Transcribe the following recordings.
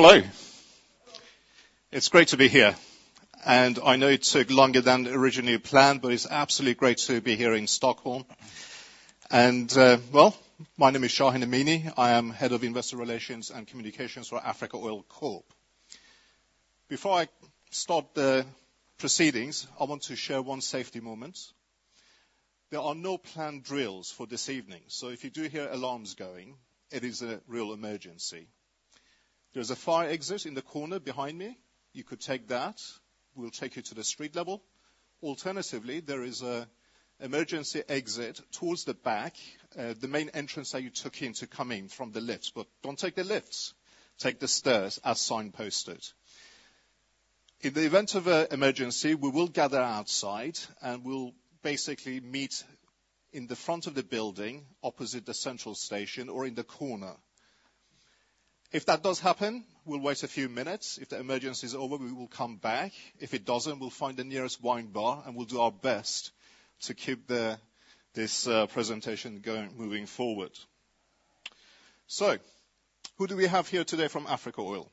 Hello. It's great to be here, and I know it took longer than originally planned, but it's absolutely great to be here in Stockholm. Well, my name is Shahin Amini. I am Head of Investor Relations and Communications for Africa Oil Corp. Before I start the proceedings, I want to share one safety moment. There are no planned drills for this evening, so if you do hear alarms going, it is a real emergency. There's a fire exit in the corner behind me. You could take that. We'll take you to the street level. Alternatively, there is an emergency exit towards the back, the main entrance that you took in to come in from the lifts, but don't take the lifts. Take the stairs as signposted. In the event of an emergency, we will gather outside and we'll basically meet in the front of the building, opposite the central station, or in the corner. If that does happen, we'll wait a few minutes. If the emergency is over, we will come back. If it doesn't, we'll find the nearest wine bar and we'll do our best to keep this presentation going moving forward. So, who do we have here today from Africa Oil?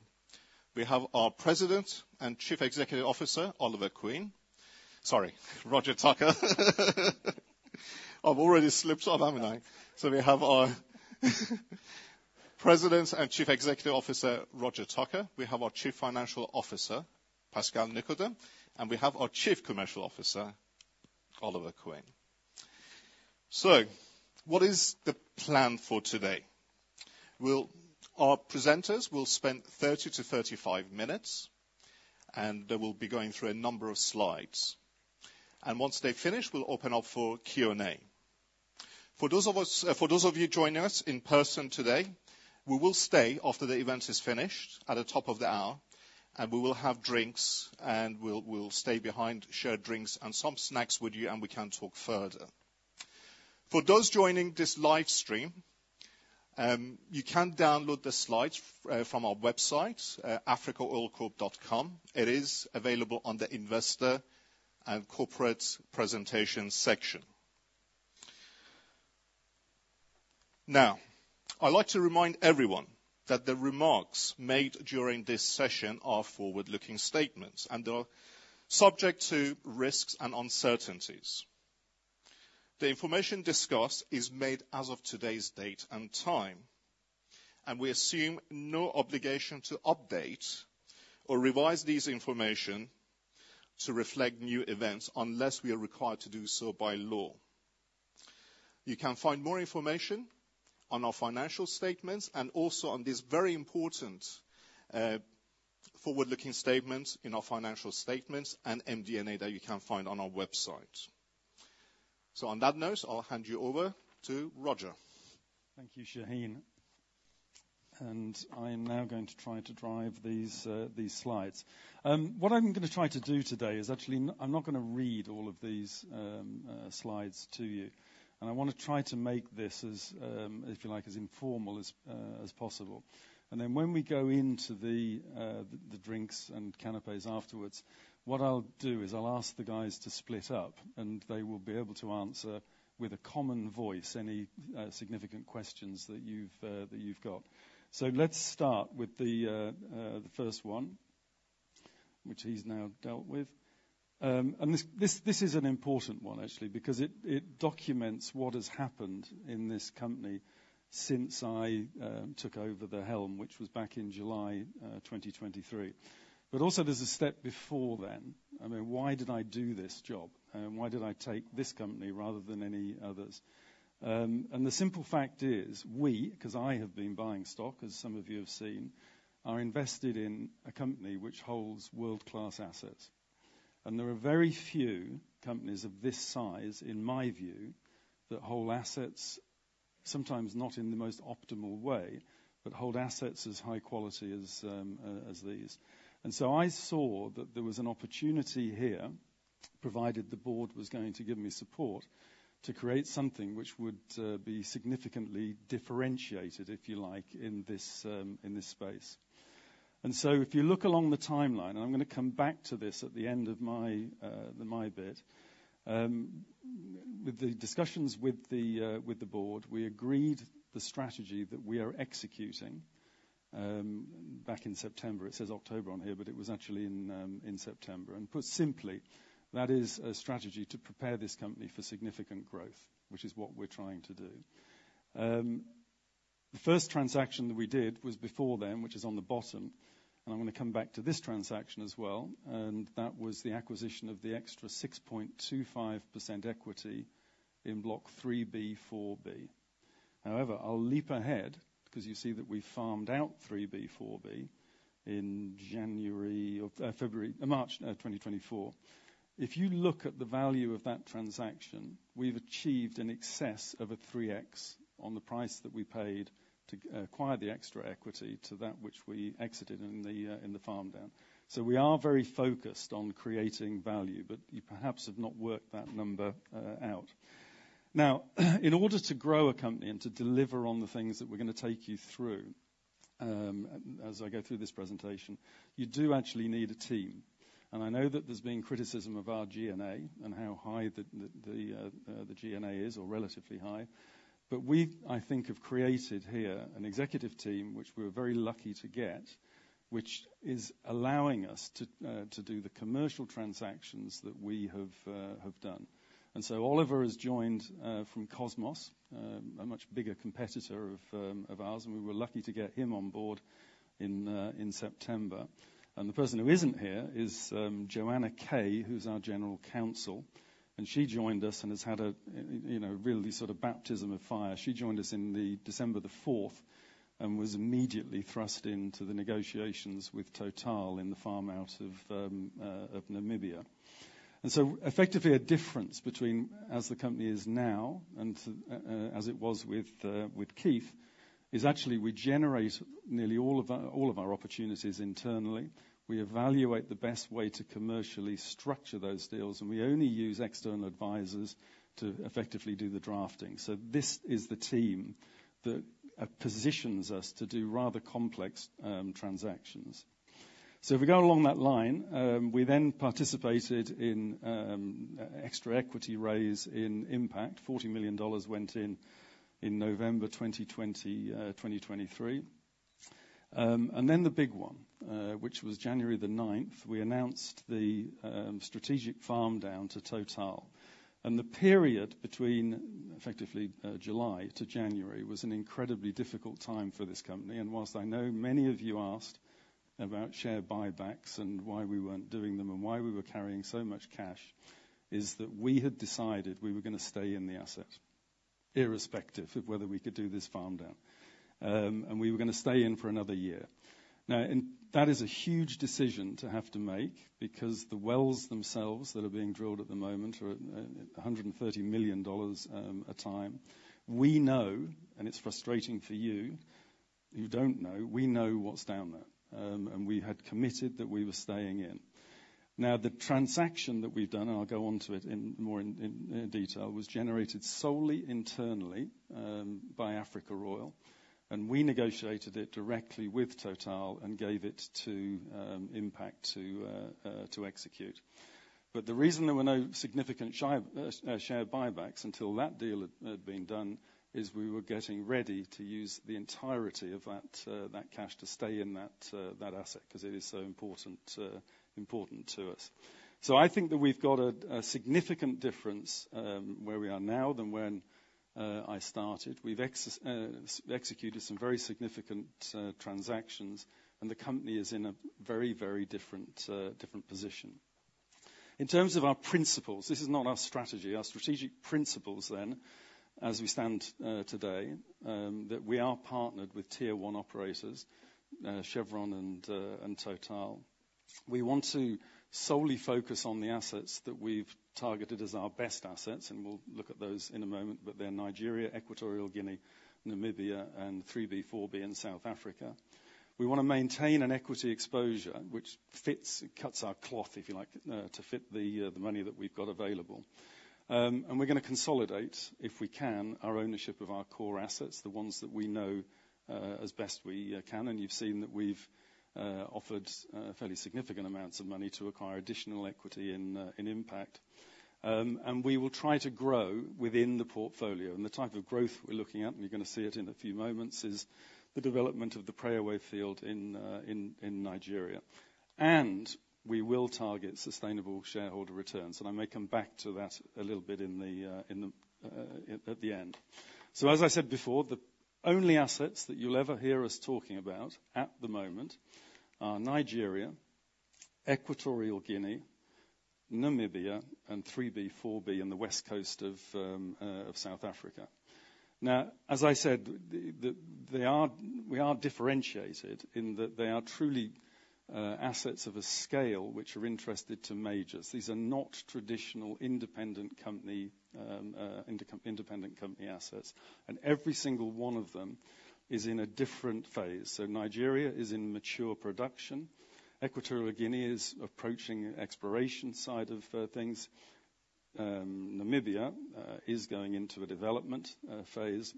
We have our President and Chief Executive Officer, Oliver Quinn. Sorry, Roger Tucker. I've already slipped on Amini. So we have our President and Chief Executive Officer, Roger Tucker. We have our Chief Financial Officer, Pascal Nicodeme. And we have our Chief Commercial Officer, Oliver Quinn. So, what is the plan for today? Well, our presenters will spend 30-35 minutes, and they will be going through a number of slides. Once they finish, we'll open up for Q&A. For those of us, for those of you joining us in person today, we will stay after the event is finished at the top of the hour, and we will have drinks, and we'll, we'll stay behind, share drinks, and some snacks with you, and we can talk further. For those joining this live stream, you can download the slides from our website, africaoilcorp.com. It is available on the Investor and Corporate Presentations section. Now, I'd like to remind everyone that the remarks made during this session are forward-looking statements, and they're subject to risks and uncertainties. The information discussed is made as of today's date and time, and we assume no obligation to update or revise this information to reflect new events unless we are required to do so by law. You can find more information on our financial statements and also on this very important, forward-looking statement in our financial statements and MD&A that you can find on our website. On that note, I'll hand you over to Roger. Thank you, Shahin. I am now going to try to drive these slides. What I'm going to try to do today is actually, I'm not going to read all of these slides to you. I want to try to make this as, if you like, informal as possible. Then when we go into the drinks and canapés afterwards, what I'll do is I'll ask the guys to split up, and they will be able to answer with a common voice any significant questions that you've got. Let's start with the first one, which he's now dealt with. This is an important one, actually, because it documents what has happened in this company since I took over the helm, which was back in July 2023. Also there's a step before then. I mean, why did I do this job? Why did I take this company rather than any others? And the simple fact is we, because I have been buying stock, as some of you have seen, are invested in a company which holds world-class assets. And there are very few companies of this size, in my view, that hold assets, sometimes not in the most optimal way, but hold assets as high quality as, as these. And so I saw that there was an opportunity here, provided the board was going to give me support, to create something which would, be significantly differentiated, if you like, in this, in this space. So if you look along the timeline, and I'm going to come back to this at the end of my, the my bit, with the discussions with the, with the board, we agreed the strategy that we are executing, back in September. It says October on here, but it was actually in, in September. And put simply, that is a strategy to prepare this company for significant growth, which is what we're trying to do. The first transaction that we did was before then, which is on the bottom, and I'm going to come back to this transaction as well, and that was the acquisition of the extra 6.25% equity in Block 3B/4B. However, I'll leap ahead because you see that we farmed out 3B/4B in January of, February, March, 2024. If you look at the value of that transaction, we've achieved an excess of a 3x on the price that we paid to acquire the extra equity to that which we exited in the farm down. So we are very focused on creating value, but you perhaps have not worked that number out. Now, in order to grow a company and to deliver on the things that we're going to take you through, as I go through this presentation, you do actually need a team. And I know that there's been criticism of our G&A and how high the G&A is, or relatively high. But we, I think, have created here an executive team, which we were very lucky to get, which is allowing us to do the commercial transactions that we have done. Oliver has joined from Kosmos, a much bigger competitor of ours, and we were lucky to get him on board in September. The person who isn't here is Joanna Kay, who's our general counsel. She joined us and has had a you know really sort of baptism of fire. She joined us on December the 4th and was immediately thrust into the negotiations with Total in the farm out of Namibia. Effectively a difference between as the company is now and as it was with Keith is actually we generate nearly all of our opportunities internally. We evaluate the best way to commercially structure those deals, and we only use external advisors to effectively do the drafting. This is the team that positions us to do rather complex transactions. So if we go along that line, we then participated in extra equity raise in Impact. $40 million went in in November 2020, 2023. And then the big one, which was January the 9th, we announced the strategic farm down to Total. The period between, effectively, July to January, was an incredibly difficult time for this company. While I know many of you asked about share buybacks and why we weren't doing them and why we were carrying so much cash, it is that we had decided we were going to stay in the assets, irrespective of whether we could do this farm down. And we were going to stay in for another year. Now, that is a huge decision to have to make because the wells themselves that are being drilled at the moment are at $130 million a time. We know, and it's frustrating for you who don't know, we know what's down there. We had committed that we were staying in. Now, the transaction that we've done, and I'll go on to it in more detail, was generated solely internally, by Africa Oil. We negotiated it directly with Total and gave it to Impact to execute. But the reason there were no significant share buybacks until that deal had been done is we were getting ready to use the entirety of that cash to stay in that asset because it is so important to us. So I think that we've got a significant difference, where we are now than when I started. We've executed some very significant transactions, and the company is in a very different position. In terms of our principles, this is not our strategy. Our strategic principles then, as we stand today, that we are partnered with Tier 1 operators, Chevron and Total. We want to solely focus on the assets that we've targeted as our best assets, and we'll look at those in a moment, but they're Nigeria, Equatorial Guinea, Namibia, and 3B/4B in South Africa. We want to maintain an equity exposure which fits cuts our cloth, if you like, to fit the money that we've got available. We're going to consolidate, if we can, our ownership of our core assets, the ones that we know, as best we can. You've seen that we've offered fairly significant amounts of money to acquire additional equity in Impact. We will try to grow within the portfolio. The type of growth we're looking at, and you're going to see it in a few moments, is the development of the Preowei field in Nigeria. We will target sustainable shareholder returns. I may come back to that a little bit at the end. So as I said before, the only assets that you'll ever hear us talking about at the moment are Nigeria, Equatorial Guinea, Namibia, and 3B/4B on the west coast of South Africa. Now, as I said, we are differentiated in that they are truly assets of a scale which are interesting to majors. These are not traditional independent company assets. Every single one of them is in a different phase. So Nigeria is in mature production. Equatorial Guinea is approaching the exploration side of things. Namibia is going into a development phase.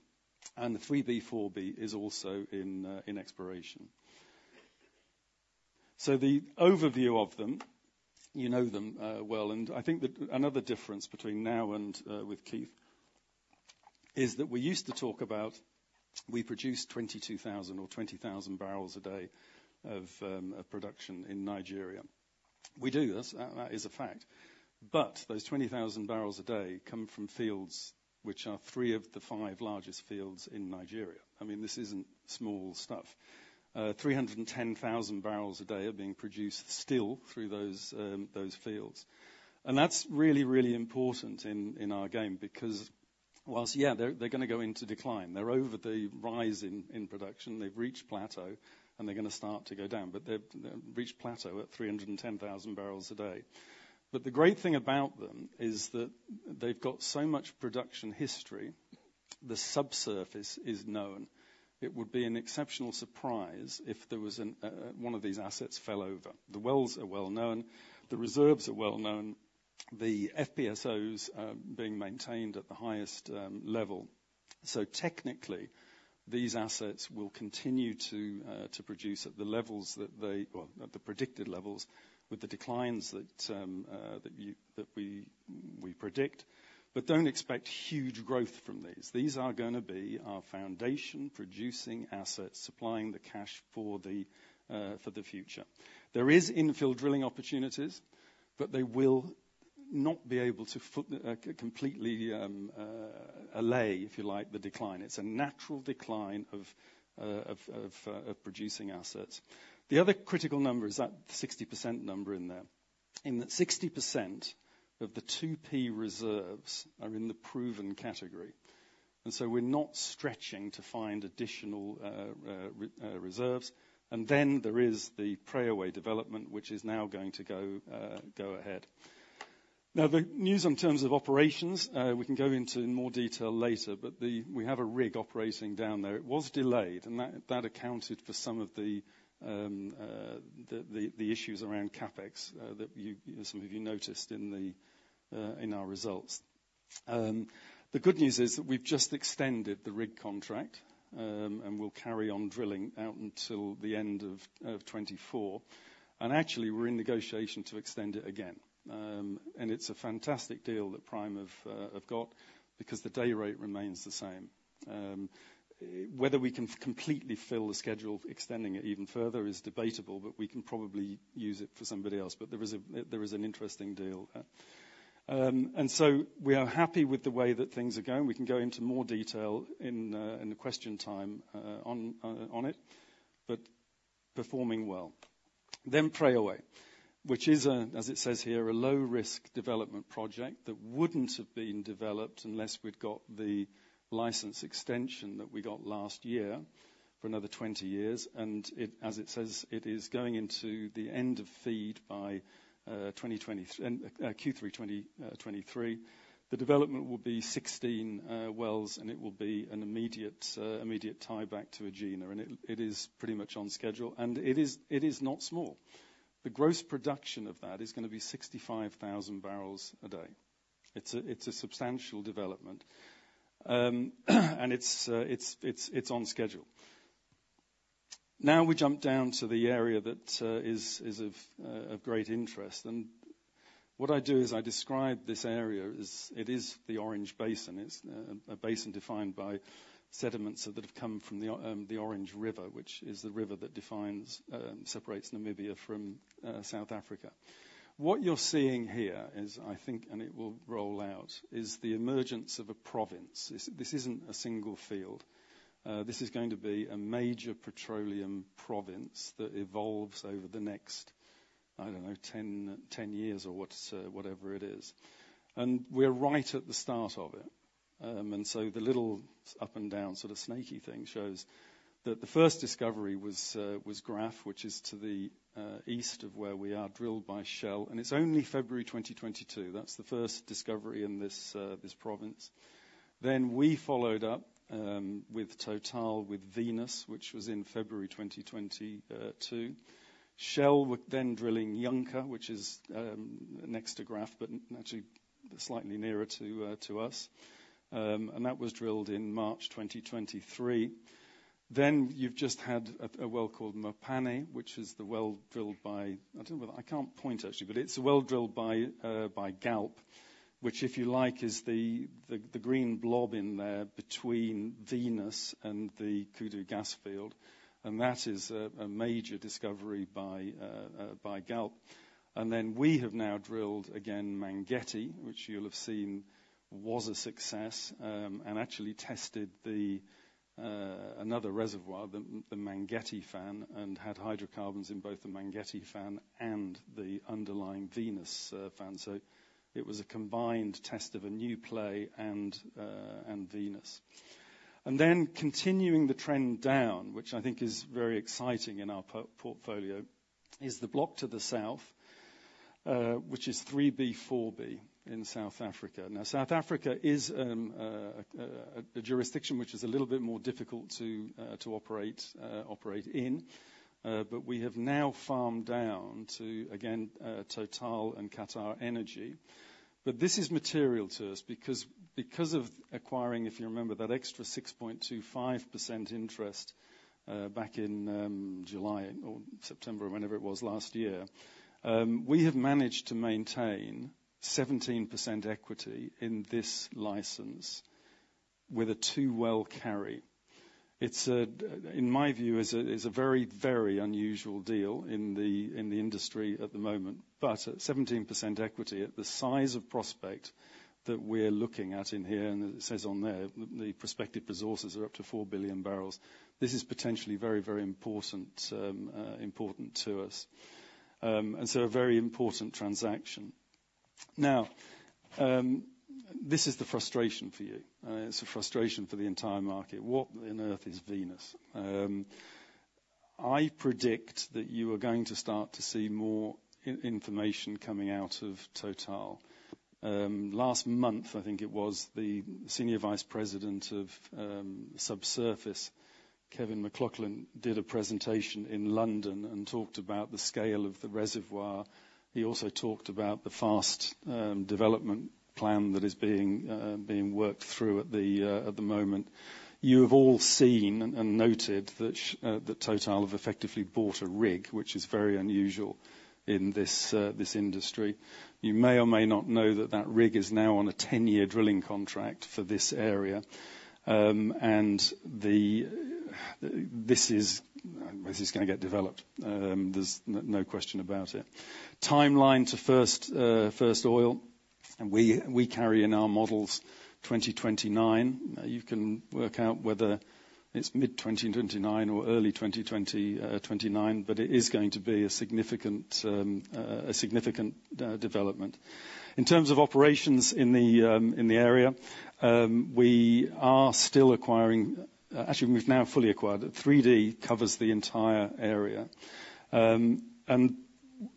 And the 3B/4B is also in exploration. So the overview of them, you know them well. And I think that another difference between now and with Keith is that we used to talk about we produce 22,000 or 20,000 barrels a day of production in Nigeria. We do this. That is a fact. But those 20,000 barrels a day come from fields which are three of the five largest fields in Nigeria. I mean, this isn't small stuff. 310,000 barrels a day are being produced still through those fields. And that's really, really important in our game because while, yeah, they're going to go into decline. They're over the rise in production. They've reached plateau, and they're going to start to go down. But they've reached plateau at 310,000 barrels a day. But the great thing about them is that they've got so much production history, the subsurface is known. It would be an exceptional surprise if one of these assets fell over. The wells are well known. The reserves are well known. The FPSOs, being maintained at the highest level. So technically, these assets will continue to produce at the levels that they, well, at the predicted levels with the declines that we predict. But don't expect huge growth from these. These are going to be our foundation producing assets, supplying the cash for the future. There is infill drilling opportunities, but they will not be able to completely allay, if you like, the decline. It's a natural decline of producing assets. The other critical number is that 60% number in there, in that 60% of the 2P reserves are in the proven category. So we're not stretching to find additional reserves. Then there is the Preowei development, which is now going to go ahead. Now, the news in terms of operations, we can go into in more detail later, but we have a rig operating down there. It was delayed, and that accounted for some of the issues around CapEx that you, some of you noticed in our results. The good news is that we've just extended the rig contract, and we'll carry on drilling out until the end of 2024. Actually, we're in negotiation to extend it again. And it's a fantastic deal that Prime have got because the day rate remains the same. Whether we can completely fill the schedule extending it even further is debatable, but we can probably use it for somebody else. But there is an interesting deal, and so we are happy with the way that things are going. We can go into more detail in the question time on it, but performing well. Then Preowei, which is, as it says here, a low-risk development project that wouldn't have been developed unless we'd got the license extension that we got last year for another 20 years. And it, as it says, is going into the end of FEED by 2023 and Q3 2023. The development will be 16 wells, and it will be an immediate tie back to Egina. And it is pretty much on schedule. And it is not small. The gross production of that is going to be 65,000 barrels a day. It's a substantial development, and it's on schedule. Now we jump down to the area that is of great interest. What I do is I describe this area as it is the Orange Basin. It's a basin defined by sediments that have come from the Orange River, which is the river that defines, separates Namibia from South Africa. What you're seeing here is, I think, and it will roll out, is the emergence of a province. This isn't a single field. This is going to be a major petroleum province that evolves over the next, I don't know, 10 years or whatever it is. We're right at the start of it. So the little up and down sort of snaky thing shows that the first discovery was, was Graff, which is to the east of where we are, drilled by Shell. And it's only February 2022. That's the first discovery in this, this province. Then we followed up, with Total with Venus, which was in February 2022. Shell were then drilling Jonker, which is next to Graff, but actually slightly nearer to, to us. And that was drilled in March 2023. Then you've just had a well called Mopane, which is the well drilled by I don't know whether I can't point, actually, but it's a well drilled by, by Galp, which, if you like, is the, the, the green blob in there between Venus and the Kudu gas field. And that is a major discovery by—by Galp. We have now drilled again Mangetti, which you'll have seen was a success, and actually tested another reservoir, the Mangetti fan, and had hydrocarbons in both the Mangetti fan and the underlying Venus fan. So it was a combined test of a new play and Venus. Continuing the trend down, which I think is very exciting in our portfolio, is the block to the south, which is Block 3B/4B in South Africa. South Africa is a jurisdiction which is a little bit more difficult to operate in, but we have now farmed down to, again, Total and QatarEnergy. This is material to us because of acquiring, if you remember, that extra 6.25% interest back in July or September or whenever it was last year. We have managed to maintain 17% equity in this license with a 2-well carry. It's, in my view, a very, very unusual deal in the industry at the moment. But 17% equity at the size of prospect that we're looking at in here, and it says on there, the prospective resources are up to 4 billion barrels. This is potentially very, very important, important to us, and so a very important transaction. Now, this is the frustration for you. It's a frustration for the entire market. What on earth is Venus? I predict that you are going to start to see more information coming out of Total. Last month, I think it was the senior vice president of subsurface, Kevin McLachlan, did a presentation in London and talked about the scale of the reservoir. He also talked about the fast development plan that is being worked through at the moment. You have all seen and noted that Total have effectively bought a rig, which is very unusual in this industry. You may or may not know that that rig is now on a 10-year drilling contract for this area. This is going to get developed. There's no question about it. Timeline to first oil. And we carry in our models 2029. You can work out whether it's mid-2029 or early 2029, but it is going to be a significant development. In terms of operations in the area, we are still acquiring actually, we've now fully acquired. 3D covers the entire area.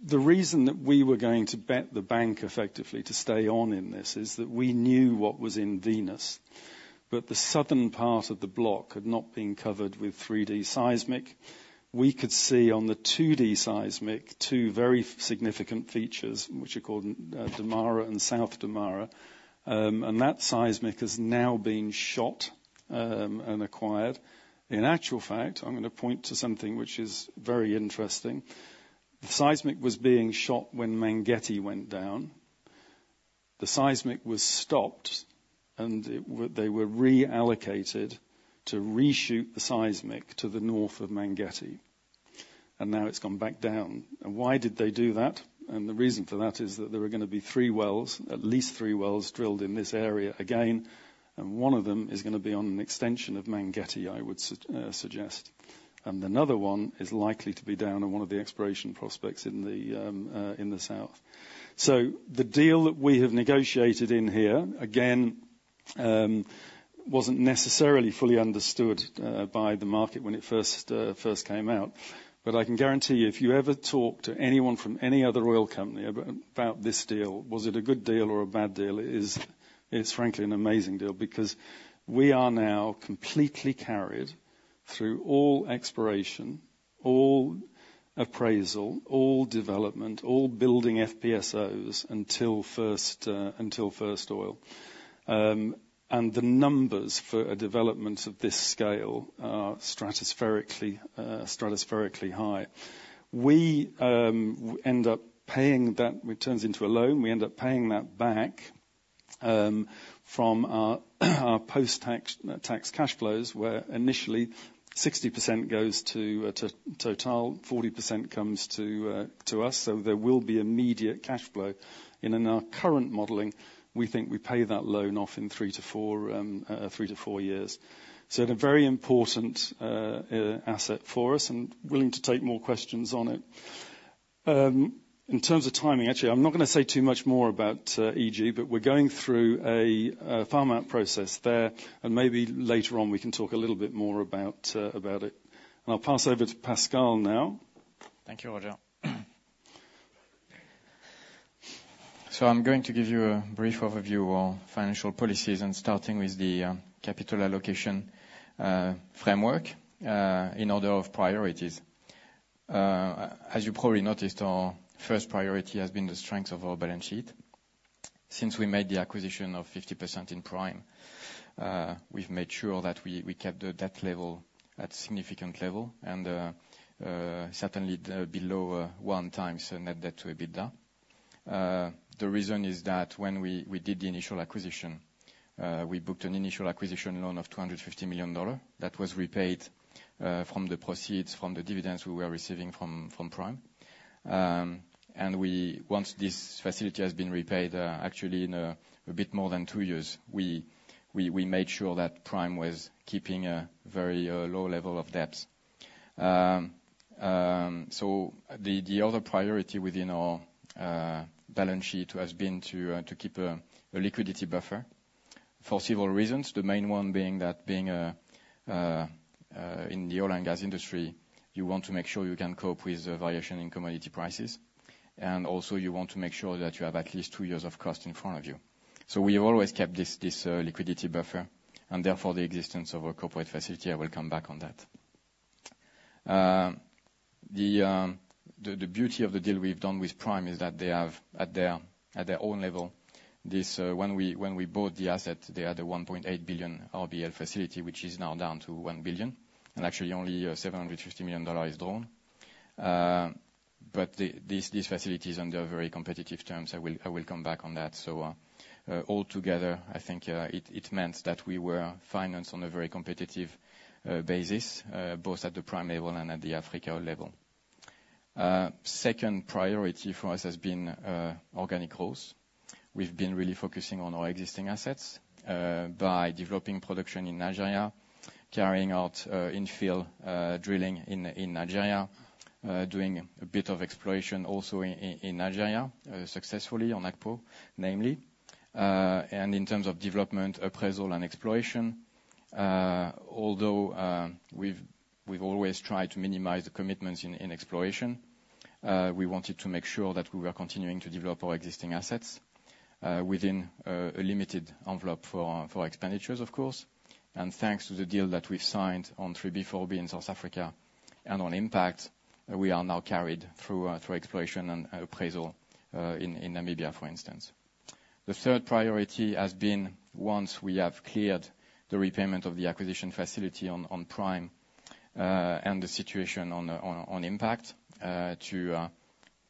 The reason that we were going to bet the bank effectively to stay on in this is that we knew what was in Venus, but the southern part of the block had not been covered with 3D seismic. We could see on the 2D seismic two very significant features, which are called Damara and South Damara. That seismic has now been shot and acquired. In actual fact, I'm going to point to something which is very interesting. The seismic was being shot when Mangetti went down. The seismic was stopped, and they were reallocated to reshoot the seismic to the north of Mangetti. Now it's gone back down. Why did they do that? The reason for that is that there are going to be three wells, at least three wells, drilled in this area again. One of them is going to be on an extension of Mangetti, I would suggest. Another one is likely to be down on one of the exploration prospects in the, in the south. So the deal that we have negotiated in here, again, wasn't necessarily fully understood by the market when it first, first came out. But I can guarantee you, if you ever talk to anyone from any other oil company about this deal, was it a good deal or a bad deal, it is, it's frankly an amazing deal because we are now completely carried through all exploration, all appraisal, all development, all building FPSOs until first, until first oil. And the numbers for a development of this scale are stratospherically, stratospherically high. We end up paying that it turns into a loan. We end up paying that back from our post-tax cash flows, where initially 60% goes to Total, 40% comes to us. So there will be immediate cash flow. And in our current modeling, we think we pay that loan off in three-four years. So it's a very important asset for us and willing to take more questions on it. In terms of timing, actually, I'm not going to say too much more about EG, but we're going through a farm out process there. And maybe later on, we can talk a little bit more about it. And I'll pass over to Pascal now. Thank you, Roger. So I'm going to give you a brief overview of financial policies, starting with the capital allocation framework, in order of priorities. As you probably noticed, our first priority has been the strength of our balance sheet. Since we made the acquisition of 50% in Prime, we've made sure that we kept the debt level at significant level and certainly below 1x net debt to EBITDA. The reason is that when we did the initial acquisition, we booked an initial acquisition loan of $250 million. That was repaid from the proceeds from the dividends we were receiving from Prime. Once this facility has been repaid, actually in a bit more than two years, we made sure that Prime was keeping a very low level of debts. The other priority within our balance sheet has been to keep a liquidity buffer for several reasons, the main one being that in the oil and gas industry, you want to make sure you can cope with variation in commodity prices. Also, you want to make sure that you have at least two years of cost in front of you. So we have always kept this liquidity buffer and therefore the existence of a corporate facility. I will come back on that. The beauty of the deal we've done with Prime is that they have at their own level this. When we bought the asset, they had a $1.8 billion RBL facility, which is now down to $1 billion. And actually, only $750 million is drawn. But this facility is under very competitive terms. I will, I will come back on that. So, altogether, I think, it, it meant that we were financed on a very competitive basis, both at the Prime level and at the Africa level. Second priority for us has been organic growth. We've been really focusing on our existing assets, by developing production in Nigeria, carrying out infield drilling in Nigeria, doing a bit of exploration also in Nigeria, successfully on Akpo, namely. In terms of development, appraisal, and exploration, although we've, we've always tried to minimize the commitments in exploration, we wanted to make sure that we were continuing to develop our existing assets, within a limited envelope for expenditures, of course. Thanks to the deal that we've signed on 3B/4B in South Africa and on Impact, we are now carried through exploration and appraisal in Namibia, for instance. The third priority has been, once we have cleared the repayment of the acquisition facility on Prime, and the situation on Impact, to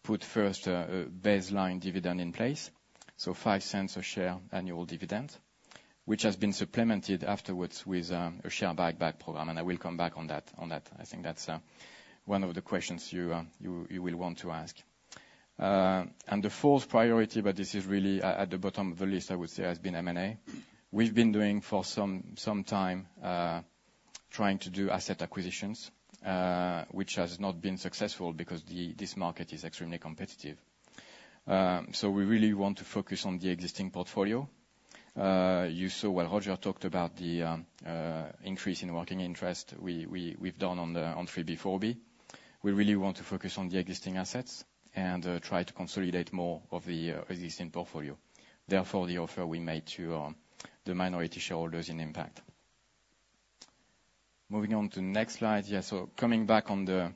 put first a baseline dividend in place, so $0.05 a share annual dividend, which has been supplemented afterwards with a share buyback program. I will come back on that. I think that's one of the questions you will want to ask. The fourth priority, but this is really at the bottom of the list, I would say, has been M&A. We've been doing for some time, trying to do asset acquisitions, which has not been successful because this market is extremely competitive, so we really want to focus on the existing portfolio. You saw while Roger talked about the increase in working interest we've done on the 3B/4B, we really want to focus on the existing assets and try to consolidate more of the existing portfolio. Therefore, the offer we made to the minority shareholders in Impact. Moving on to the next slide. Yeah, so coming back on the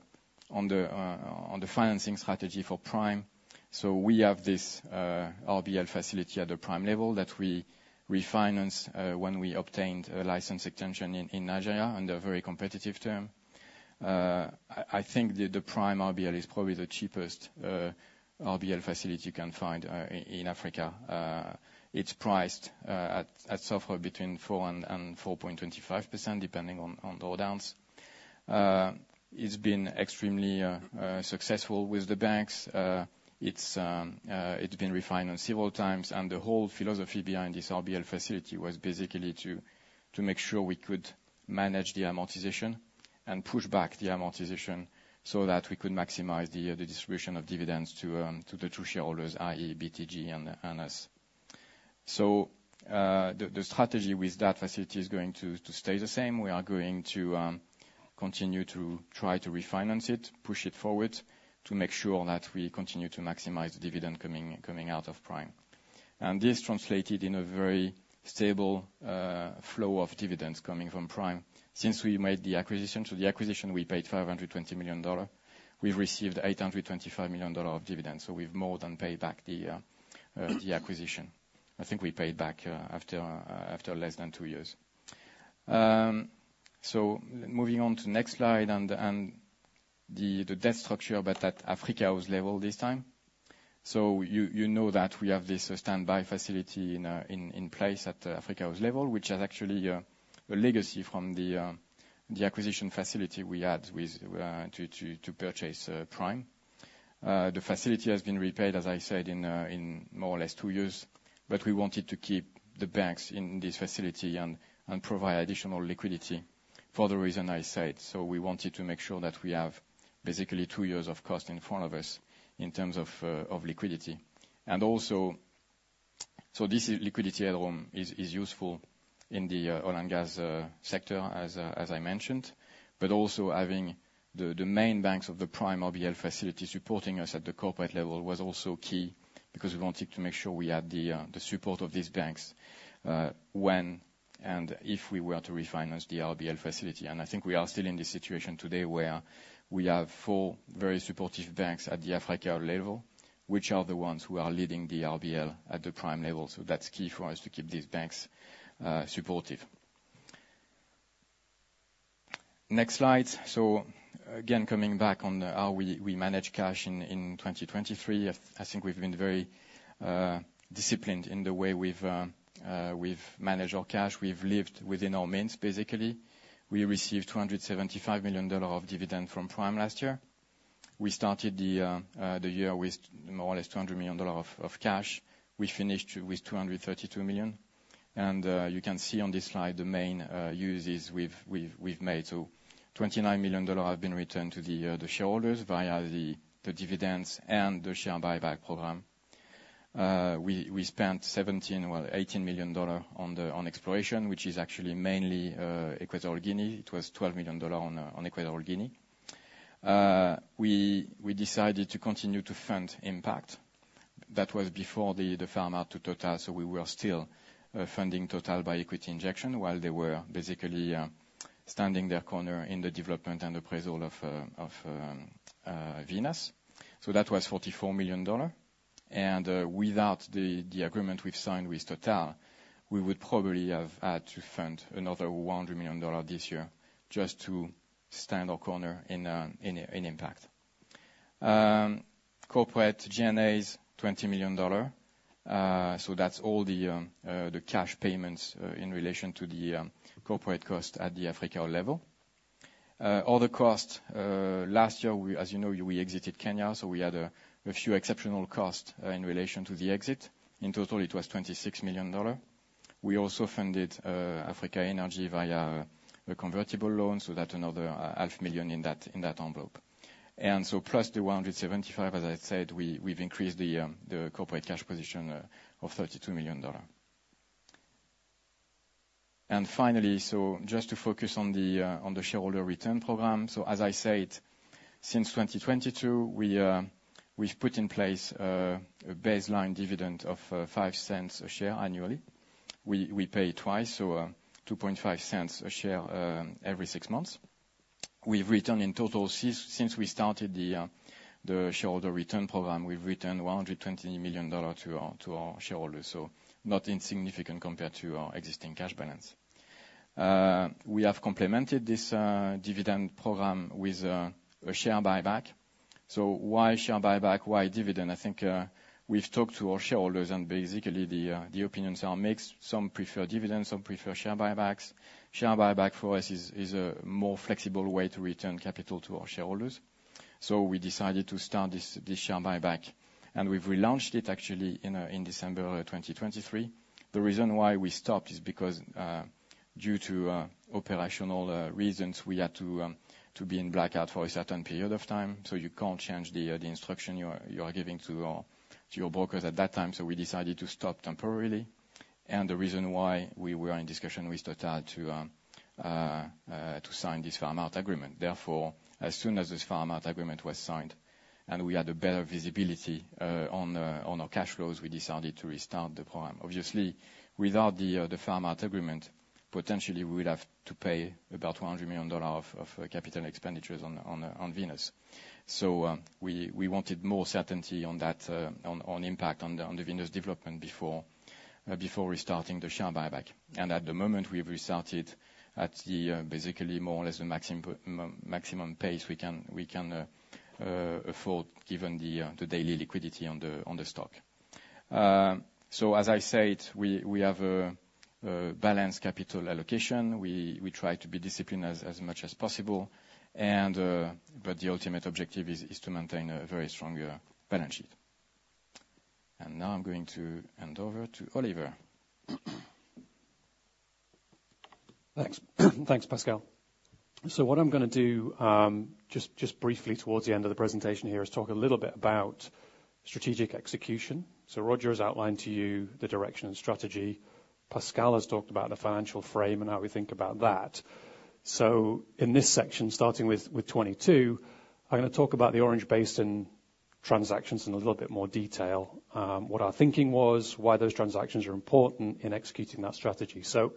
financing strategy for Prime. So we have this RBL facility at the Prime level that we refinance when we obtained a license extension in Nigeria under a very competitive term. I think the Prime RBL is probably the cheapest RBL facility you can find in Africa. It's priced at SOFR between 4% and 4.25% depending on drawdowns. It's been extremely successful with the banks. It's been refinanced several times. The whole philosophy behind this RBL facility was basically to make sure we could manage the amortization and push back the amortization so that we could maximize the distribution of dividends to the true shareholders, i.e., BTG and us. So, the strategy with that facility is going to stay the same. We are going to continue to try to refinance it, push it forward, to make sure that we continue to maximize the dividend coming out of Prime. And this translated in a very stable flow of dividends coming from Prime. Since we made the acquisition, so the acquisition we paid $520 million. We've received $825 million of dividends. So we've more than paid back the acquisition. I think we paid back after less than two years. So moving on to the next slide and the debt structure, but at Africa Oil level this time. So you know that we have this standby facility in place at Africa Oil level, which is actually a legacy from the acquisition facility we had to purchase Prime. The facility has been repaid, as I said, in more or less two years. But we wanted to keep the banks in this facility and provide additional liquidity for the reason I said. So we wanted to make sure that we have basically two years of cost in front of us in terms of liquidity. And also, so this liquidity headroom is useful in the oil and gas sector, as I mentioned. But also, having the main banks of the Prime RBL facility supporting us at the corporate level was also key because we wanted to make sure we had the support of these banks, when and if we were to refinance the RBL facility. And I think we are still in this situation today where we have four very supportive banks at the Africa Oil level, which are the ones who are leading the RBL at the Prime level. So that's key for us to keep these banks supportive. Next slide. So again, coming back on how we manage cash in 2023, I think we've been very disciplined in the way we've managed our cash. We've lived within our means, basically. We received $275 million of dividend from Prime last year. We started the year with more or less $200 million of cash. We finished with $232 million. You can see on this slide, the main use is we've made. So $29 million have been returned to the shareholders via the dividends and the share buyback program. We spent, well, $18 million on exploration, which is actually mainly Equatorial Guinea. It was $12 million on Equatorial Guinea. We decided to continue to fund Impact. That was before the farm out to Total. So we were still funding Total by equity injection while they were basically standing their corner in the development and appraisal of Venus. So that was $44 million. Without the agreement we've signed with Total, we would probably have had to fund another $100 million this year just to stand our corner in Impact. Corporate G&As $20 million. So that's all the cash payments in relation to the corporate cost at the Africa Oil level. Other costs last year, as you know, we exited Kenya. So we had a few exceptional costs in relation to the exit. In total, it was $26 million. We also funded Africa Energy via a convertible loan. So that's another $0.5 million in that envelope. And so plus the $175 million, as I said, we've increased the corporate cash position of $32 million. And finally, just to focus on the shareholder return program. So as I said, since 2022, we've put in place a baseline dividend of $0.05 a share annually. We pay twice, so $0.025 a share every 6 months. We've returned in total since, since we started the, the shareholder return program, we've returned $120 million to our, to our shareholders. So not insignificant compared to our existing cash balance. We have complemented this dividend program with a share buyback. So why share buyback? Why dividend? I think, we've talked to our shareholders and basically the, the opinions are mixed. Some prefer dividends. Some prefer share buybacks. Share buyback for us is, is a more flexible way to return capital to our shareholders. So we decided to start this, this share buyback. And we've relaunched it actually in, in December 2023. The reason why we stopped is because, due to, operational reasons, we had to, to be in blackout for a certain period of time. So you can't change the, the instruction you're, you're giving to our, to your brokers at that time. So we decided to stop temporarily. The reason why we were in discussion with Total to sign this farm-out agreement. Therefore, as soon as this farm-out agreement was signed and we had a better visibility on our cash flows, we decided to restart the program. Obviously, without the farm-out agreement, potentially, we would have to pay about $100 million of capital expenditures on Venus. So, we wanted more certainty on that impact on the Venus development before restarting the share buyback. And at the moment, we've restarted at basically more or less the maximum pace we can afford given the daily liquidity on the stock. So as I said, we have a balanced capital allocation. We try to be disciplined as much as possible. The ultimate objective is to maintain a very strong balance sheet. Now I'm going to hand over to Oliver. Thanks. Thanks, Pascal. So what I'm going to do, just briefly towards the end of the presentation here is to talk a little bit about strategic execution. So Roger has outlined to you the direction and strategy. Pascal has talked about the financial frame and how we think about that. So in this section, starting with 2022, I'm going to talk about the Orange Basin and transactions in a little bit more detail, what our thinking was, why those transactions are important in executing that strategy. So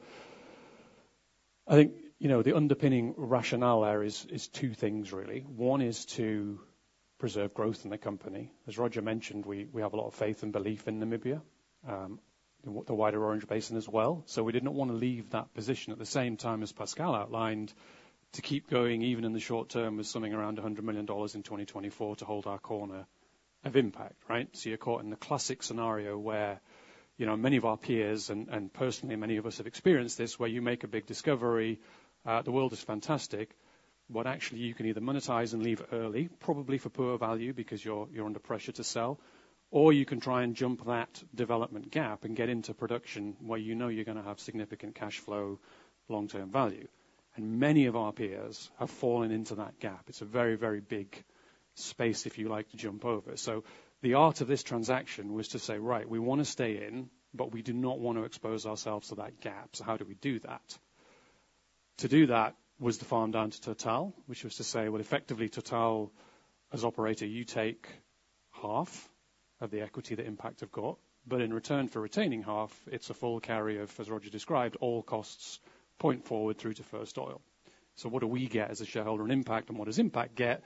I think, you know, the underpinning rationale there is two things, really. One is to preserve growth in the company. As Roger mentioned, we have a lot of faith and belief in Namibia, the wider Orange Basin as well. So we did not want to leave that position at the same time as Pascal outlined to keep going even in the short term with something around $100 million in 2024 to hold our corner of Impact, right? So you're caught in the classic scenario where, you know, many of our peers and personally, many of us have experienced this where you make a big discovery, the world is fantastic, but actually, you can either monetize and leave early, probably for poor value because you're under pressure to sell, or you can try and jump that development gap and get into production where you know you're going to have significant cash flow, long-term value. And many of our peers have fallen into that gap. It's a very, very big space, if you like, to jump over. So the art of this transaction was to say, "Right, we want to stay in, but we do not want to expose ourselves to that gap. So how do we do that?" To do that was the farm down to Total, which was to say, "Well, effectively, Total as operator, you take half of the equity that Impact have got. But in return for retaining half, it's a full carry of, as Roger described, all costs point forward through to first oil." So what do we get as a shareholder in Impact and what does Impact get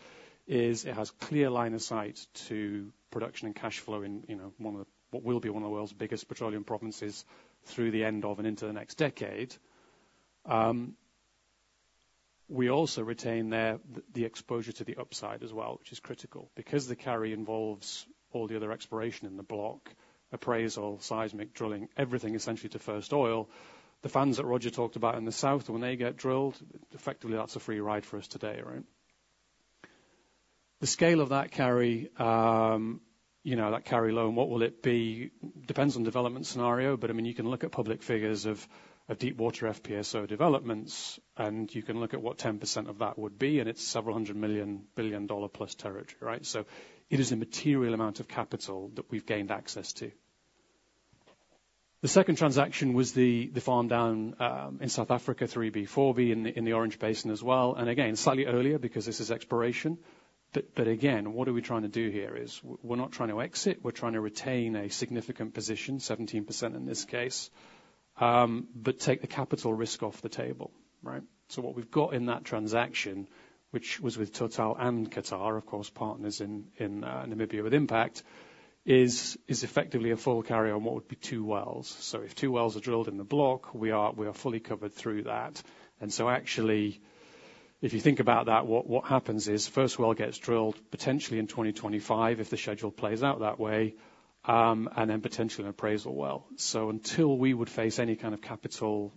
is it has clear line of sight to production and cash flow in, you know, one of the what will be one of the world's biggest petroleum provinces through the end of and into the next decade. We also retain there the exposure to the upside as well, which is critical because the carry involves all the other exploration in the block, appraisal, seismic drilling, everything essentially to first oil. The fans that Roger talked about in the south, when they get drilled, effectively, that's a free ride for us today, right? The scale of that carry, you know, that carry loan, what will it be depends on development scenario. But I mean, you can look at public figures of deepwater FPSO developments, and you can look at what 10% of that would be. And it's several $100 million-$1 billion plus territory, right? So it is a material amount of capital that we've gained access to. The second transaction was the farm down in South Africa, 3B, 4B, in the Orange Basin as well. And again, slightly earlier because this is exploration. But again, what are we trying to do here is we're not trying to exit. We're trying to retain a significant position, 17% in this case, but take the capital risk off the table, right? So what we've got in that transaction, which was with Total and Qatar, of course, partners in Namibia with Impact, is effectively a full carry on what would be two wells. So if two wells are drilled in the block, we are fully covered through that. And so actually, if you think about that, what happens is first well gets drilled potentially in 2025 if the schedule plays out that way, and then potentially an appraisal well. So until we would face any kind of capital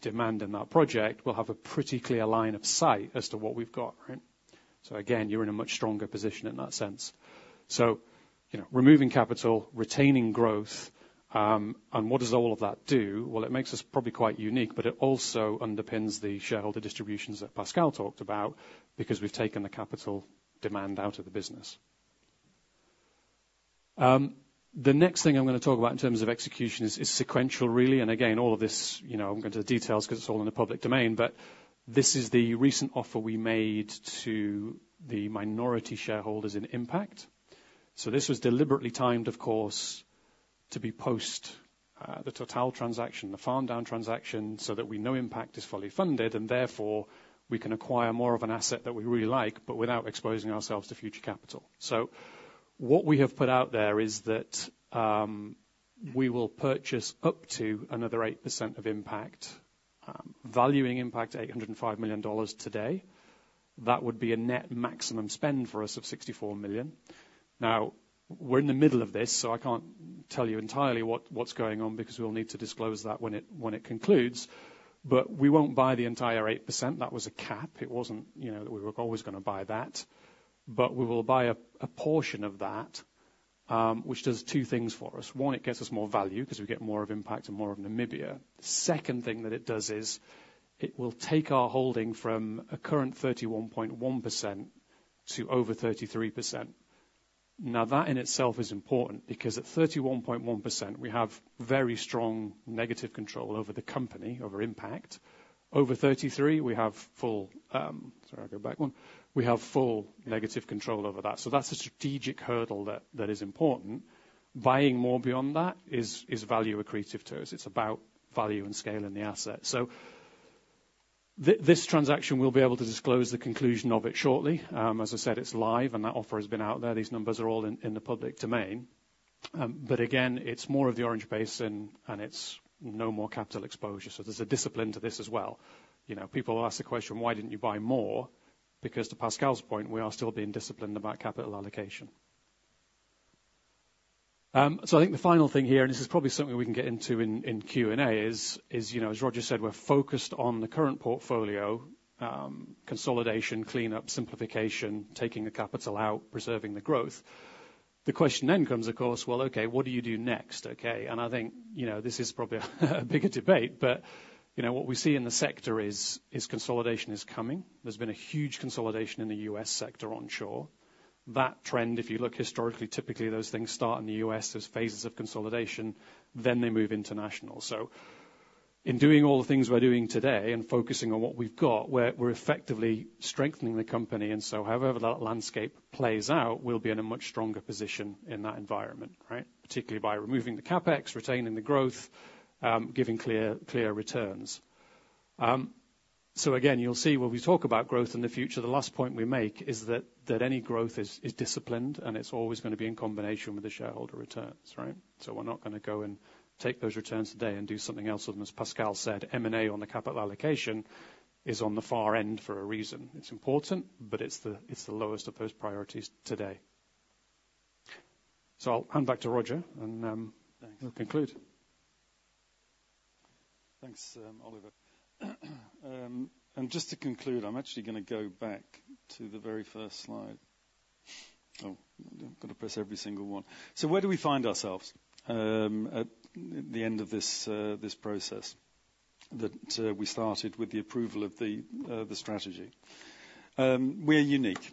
demand in that project, we'll have a pretty clear line of sight as to what we've got, right? So again, you're in a much stronger position in that sense. So, you know, removing capital, retaining growth, and what does all of that do? Well, it makes us probably quite unique, but it also underpins the shareholder distributions that Pascal talked about because we've taken the capital demand out of the business. The next thing I'm going to talk about in terms of execution is sequential, really. And again, all of this, you know, I'm going to the details because it's all in the public domain. But this is the recent offer we made to the minority shareholders in Impact. So this was deliberately timed, of course, to be post the Total transaction, the farm down transaction, so that we know Impact is fully funded and therefore we can acquire more of an asset that we really like, but without exposing ourselves to future capital. So what we have put out there is that, we will purchase up to another 8% of Impact, valuing Impact $805 million today. That would be a net maximum spend for us of $64 million. Now, we're in the middle of this, so I can't tell you entirely what, what's going on because we'll need to disclose that when it, when it concludes. But we won't buy the entire 8%. That was a cap. It wasn't, you know, that we were always going to buy that. But we will buy a, a portion of that, which does two things for us. One, it gets us more value because we get more of Impact and more of Namibia. The second thing that it does is it will take our holding from a current 31.1% to over 33%. Now, that in itself is important because at 31.1%, we have very strong negative control over the company, over Impact. Over 33%, we have full, sorry, I'll go back one. We have full negative control over that. So that's a strategic hurdle that, that is important. Buying more beyond that is, is value accretive to us. It's about value and scale in the asset. So this, this transaction we'll be able to disclose the conclusion of it shortly. As I said, it's live, and that offer has been out there. These numbers are all in, in the public domain. But again, it's more of the Orange Basin, and, and it's no more capital exposure. So there's a discipline to this as well. You know, people will ask the question, "Why didn't you buy more?" Because to Pascal's point, we are still being disciplined about capital allocation. So, I think the final thing here, and this is probably something we can get into in Q&A, is, you know, as Roger said, we're focused on the current portfolio, consolidation, cleanup, simplification, taking the capital out, preserving the growth. The question then comes, of course, well, okay, what do you do next? Okay? I think, you know, this is probably a bigger debate. You know, what we see in the sector is consolidation is coming. There's been a huge consolidation in the U.S. sector onshore. That trend, if you look historically, typically those things start in the U.S. as phases of consolidation, then they move international. In doing all the things we're doing today and focusing on what we've got, we're effectively strengthening the company. And so however that landscape plays out, we'll be in a much stronger position in that environment, right, particularly by removing the CapEx, retaining the growth, giving clear, clear returns. So again, you'll see when we talk about growth in the future, the last point we make is that, that any growth is, is disciplined, and it's always going to be in combination with the shareholder returns, right? So we're not going to go and take those returns today and do something else with them. As Pascal said, M&A on the capital allocation is on the far end for a reason. It's important, but it's the, it's the lowest of those priorities today. So I'll hand back to Roger, and we'll conclude. Thanks, Oliver. And just to conclude, I'm actually going to go back to the very first slide. Oh, I've got to press every single one. So where do we find ourselves at the end of this process that we started with the approval of the strategy? We're unique.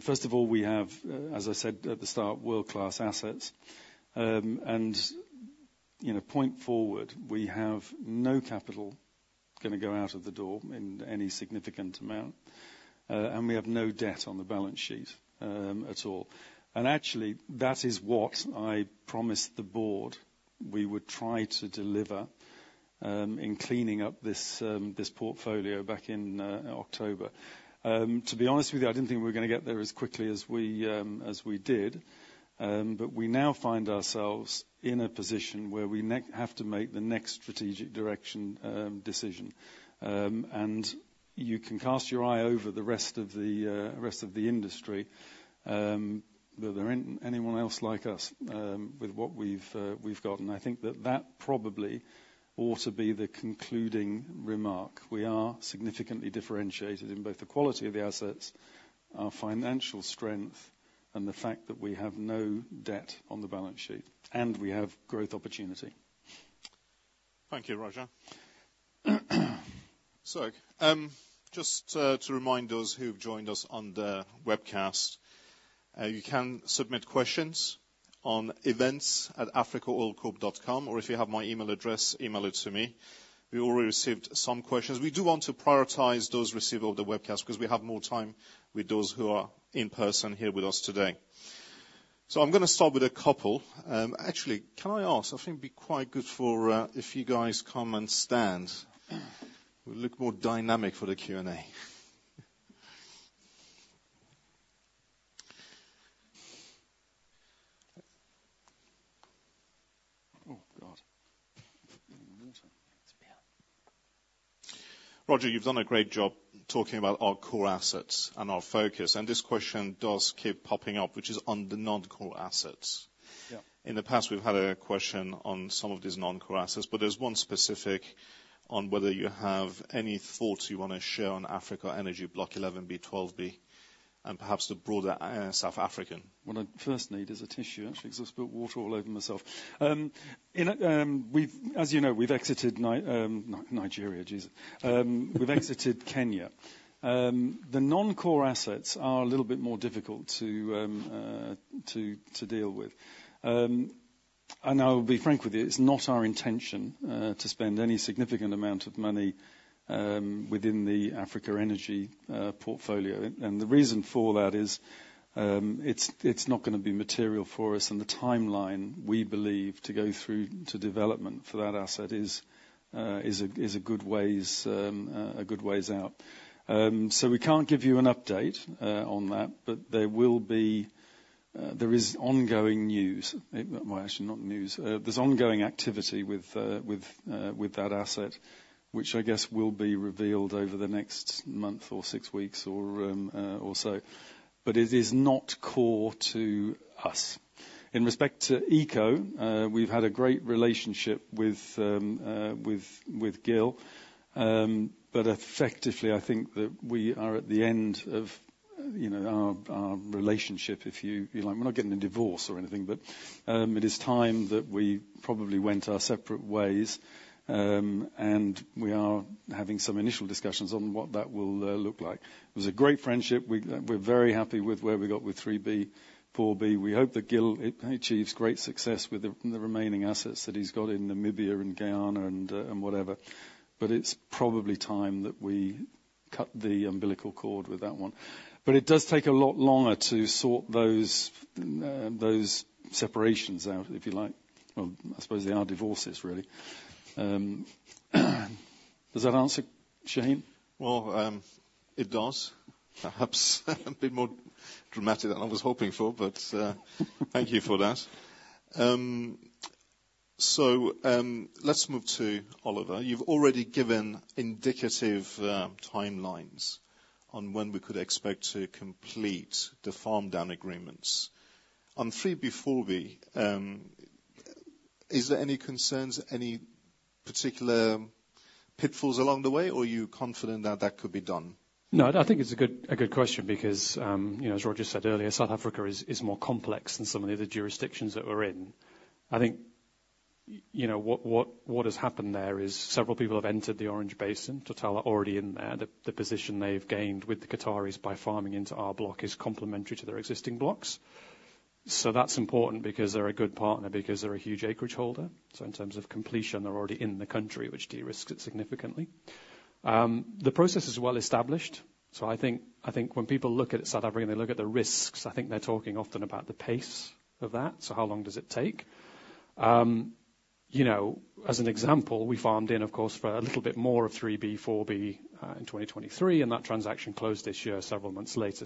First of all, we have, as I said at the start, world-class assets. And, you know, going forward, we have no capital going to go out of the door in any significant amount. We have no debt on the balance sheet at all. Actually, that is what I promised the board we would try to deliver in cleaning up this portfolio back in October. To be honest with you, I didn't think we were going to get there as quickly as we did. But we now find ourselves in a position where we now have to make the next strategic direction decision. You can cast your eye over the rest of the industry. But there ain't anyone else like us, with what we've, we've gotten. I think that that probably ought to be the concluding remark. We are significantly differentiated in both the quality of the assets, our financial strength, and the fact that we have no debt on the balance sheet, and we have growth opportunity. Thank you, Roger. So, just, to remind those who've joined us on the webcast, you can submit questions on events@africaoilcorp.com, or if you have my email address, email it to me. We already received some questions. We do want to prioritize those receiving the webcast because we have more time with those who are in person here with us today. So I'm going to start with a couple. Actually, can I ask? I think it'd be quite good for, if you guys come and stand. We'll look more dynamic for the Q&A. Roger, you've done a great job talking about our core assets and our focus. This question does keep popping up, which is on the non-core assets. Yeah. In the past, we've had a question on some of these non-core assets, but there's one specific on whether you have any thoughts you want to share on Africa Energy, Block 11B/12B, and perhaps the broader South African? What I first need is a tissue. Actually, because I've spilled water all over myself. We've, as you know, we've exited Nigeria, Jesus. We've exited Kenya. The non-core assets are a little bit more difficult to deal with. And I'll be frank with you, it's not our intention to spend any significant amount of money within the Africa Energy portfolio. And the reason for that is, it's not going to be material for us. And the timeline we believe to go through to development for that asset is a good ways out. So we can't give you an update on that, but there is ongoing news. Well, actually, not news. There's ongoing activity with that asset, which I guess will be revealed over the next month or six weeks or so. But it is not core to us. In respect to Eco, we've had a great relationship with Gil. But effectively, I think that we are at the end of, you know, our relationship, if you like. We're not getting a divorce or anything, but it is time that we probably went our separate ways. We are having some initial discussions on what that will look like. It was a great friendship. We're very happy with where we got with 3B, 4B. We hope that Gil achieves great success with the remaining assets that he's got in Namibia and Guyana and whatever. But it's probably time that we cut the umbilical cord with that one. But it does take a lot longer to sort those separations out, if you like. Well, I suppose they are divorces, really. Does that answer, Shahin? Well, it does. Perhaps a bit more dramatic than I was hoping for, but thank you for that. So, let's move to Oliver. You've already given indicative timelines on when we could expect to complete the farm down agreements. On 3B, 4B, is there any concerns, any particular pitfalls along the way, or are you confident that that could be done? No, I think it's a good question because, you know, as Roger said earlier, South Africa is more complex than some of the other jurisdictions that we're in. I think, you know, what has happened there is several people have entered the Orange Basin. Total are already in there. The position they've gained with the Qataris by farming into our block is complementary to their existing blocks. So that's important because they're a good partner because they're a huge acreage holder. So in terms of completion, they're already in the country, which de-risks it significantly. The process is well established. So I think, I think when people look at South Africa and they look at the risks, I think they're talking often about the pace of that. So how long does it take? You know, as an example, we farmed in, of course, for a little bit more of 3B, 4B, in 2023, and that transaction closed this year several months later.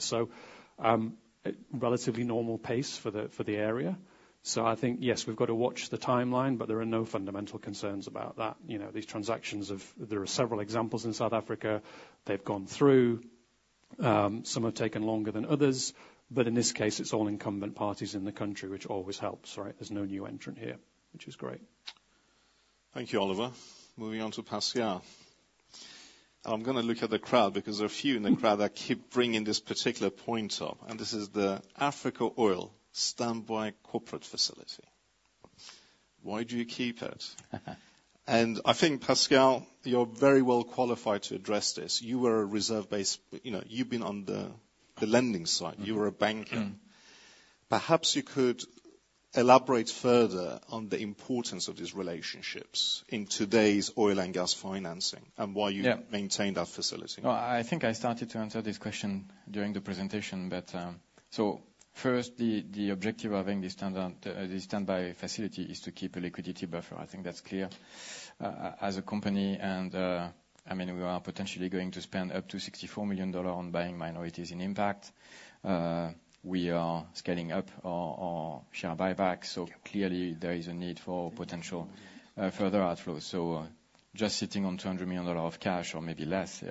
So, relatively normal pace for the, for the area. So I think, yes, we've got to watch the timeline, but there are no fundamental concerns about that. You know, these transactions, there are several examples in South Africa. They've gone through. Some have taken longer than others. But in this case, it's all incumbent parties in the country, which always helps, right? There's no new entrant here, which is great. Thank you, Oliver. Moving on to Pascal. I'm going to look at the crowd because there are a few in the crowd that keep bringing this particular point up. And this is the Africa Oil Standby Corporate Facility. Why do you keep it? And I think, Pascal, you're very well qualified to address this. You were a reserve-based, you know, you've been on the lending side. You were a banker. Perhaps you could elaborate further on the importance of these relationships in today's oil and gas financing and why you maintained that facility. Well, I think I started to answer this question during the presentation, but so first, the objective of having this standard, this standby facility is to keep a liquidity buffer. I think that's clear, as a company. I mean, we are potentially going to spend up to $64 million on buying minorities in Impact. We are scaling up our share buybacks. So clearly, there is a need for potential, further outflows. So just sitting on $200 million of cash or maybe less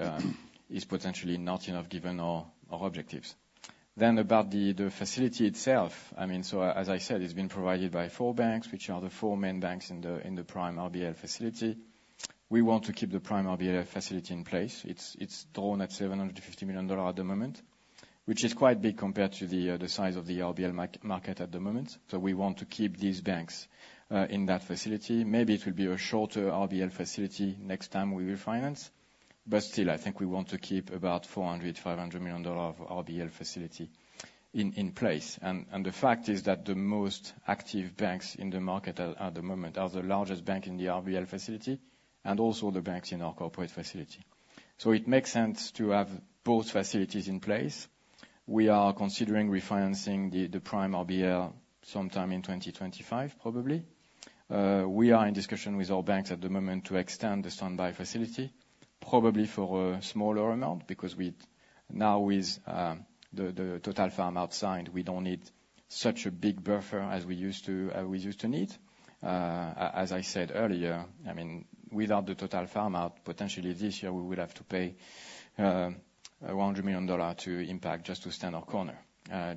is potentially not enough given our objectives. Then about the facility itself, I mean, so as I said, it's been provided by four banks, which are the four main banks in the Prime RBL facility. We want to keep the Prime RBL facility in place. It's drawn at $750 million at the moment, which is quite big compared to the size of the RBL market at the moment. So we want to keep these banks in that facility. Maybe it will be a shorter RBL facility next time we refinance. But still, I think we want to keep about $400-$500 million of RBL facility in place. And the fact is that the most active banks in the market at the moment are the largest bank in the RBL facility and also the banks in our corporate facility. So it makes sense to have both facilities in place. We are considering refinancing the Prime RBL sometime in 2025, probably. We are in discussion with our banks at the moment to extend the standby facility, probably for a smaller amount because now, with the Total farm-out, we don't need such a big buffer as we used to, we used to need. As I said earlier, I mean, without the Total farm-out, potentially this year, we would have to pay $100 million to Impact just to stand our corner,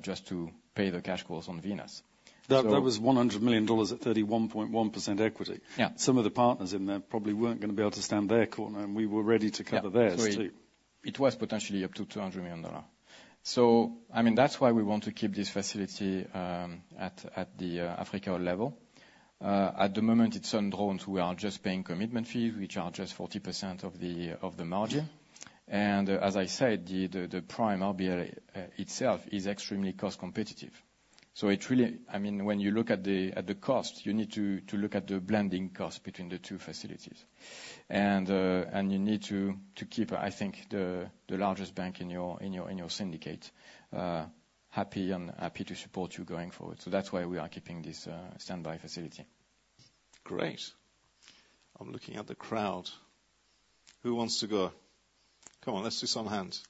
just to pay the cash calls on Venus. That was $100 million at 31.1% equity. Some of the partners in there probably weren't going to be able to stand their corner, and we were ready to cover theirs too. It was potentially up to $200 million. So, I mean, that's why we want to keep this facility at the Africa Oil level. At the moment, it's undrawn. We are just paying commitment fees, which are just 40% of the margin. And, as I said, the Prime RBL itself is extremely cost competitive. So it really—I mean, when you look at the cost, you need to look at the blended cost between the two facilities. And you need to keep, I think, the largest bank in your syndicate happy and to support you going forward. So that's why we are keeping this standby facility. Great. I'm looking at the crowd. Who wants to go? Come on. Let's do some hands.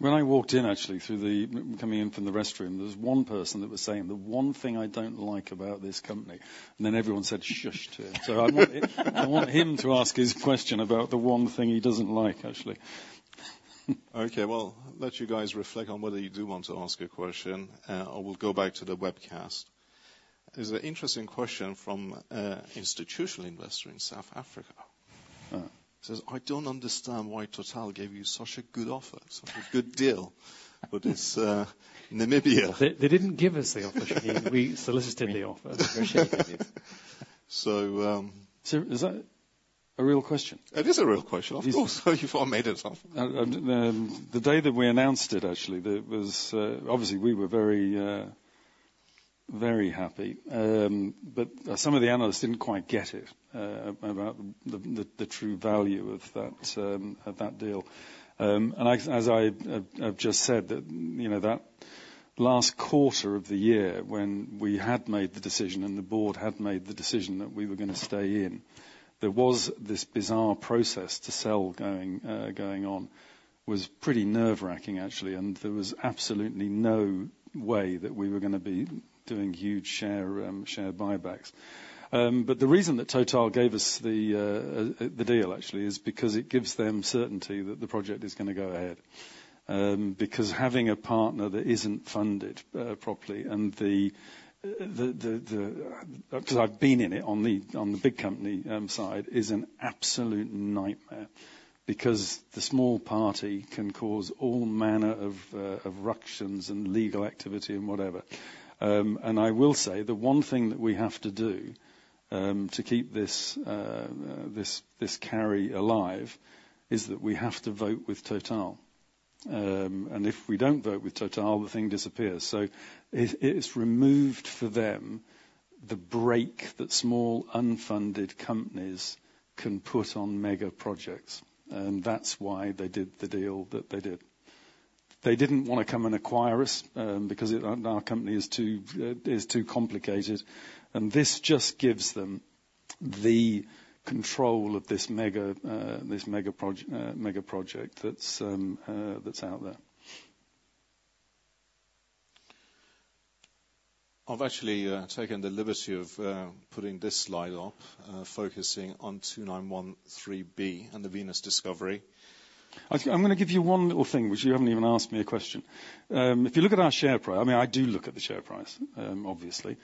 When I walked in, actually, through the coming in from the restroom, there was one person that was saying, "The one thing I don't like about this company," and then everyone said, "Shush," to him. So I want him to ask his question about the one thing he doesn't like, actually. Okay. Well, let you guys reflect on whether you do want to ask a question, or we'll go back to the webcast. There's an interesting question from an institutional investor in South Africa. It says, "I don't understand why Total gave you such a good offer, such a good deal with this, Namibia. They didn't give us the offer, Shahin. We solicited the offer. So— So is that a real question? It is a real question, of course. You've already made it up. The day that we announced it, actually, there was, obviously, we were very, very happy. But some of the analysts didn't quite get it, about the true value of that deal. And as I've just said, you know, that last quarter of the year when we had made the decision and the board had made the decision that we were going to stay in, there was this bizarre process to sell going on, was pretty nerve-wracking, actually. And there was absolutely no way that we were going to be doing huge share buybacks. But the reason that Total gave us the deal, actually, is because it gives them certainty that the project is going to go ahead. because having a partner that isn't funded properly and because I've been in it on the big company side is an absolute nightmare because the small party can cause all manner of ructions and legal activity and whatever. And I will say the one thing that we have to do to keep this carry alive is that we have to vote with Total. And if we don't vote with Total, the thing disappears. So it's removed for them the brake that small unfunded companies can put on mega projects. And that's why they did the deal that they did. They didn't want to come and acquire us because our company is too complicated. And this just gives them the control of this mega project that's out there. I've actually taken the liberty of putting this slide up, focusing on 2913B and the Venus Discovery. I'm going to give you one little thing, which you haven't even asked me a question. If you look at our share price, I mean, I do look at the share price, obviously.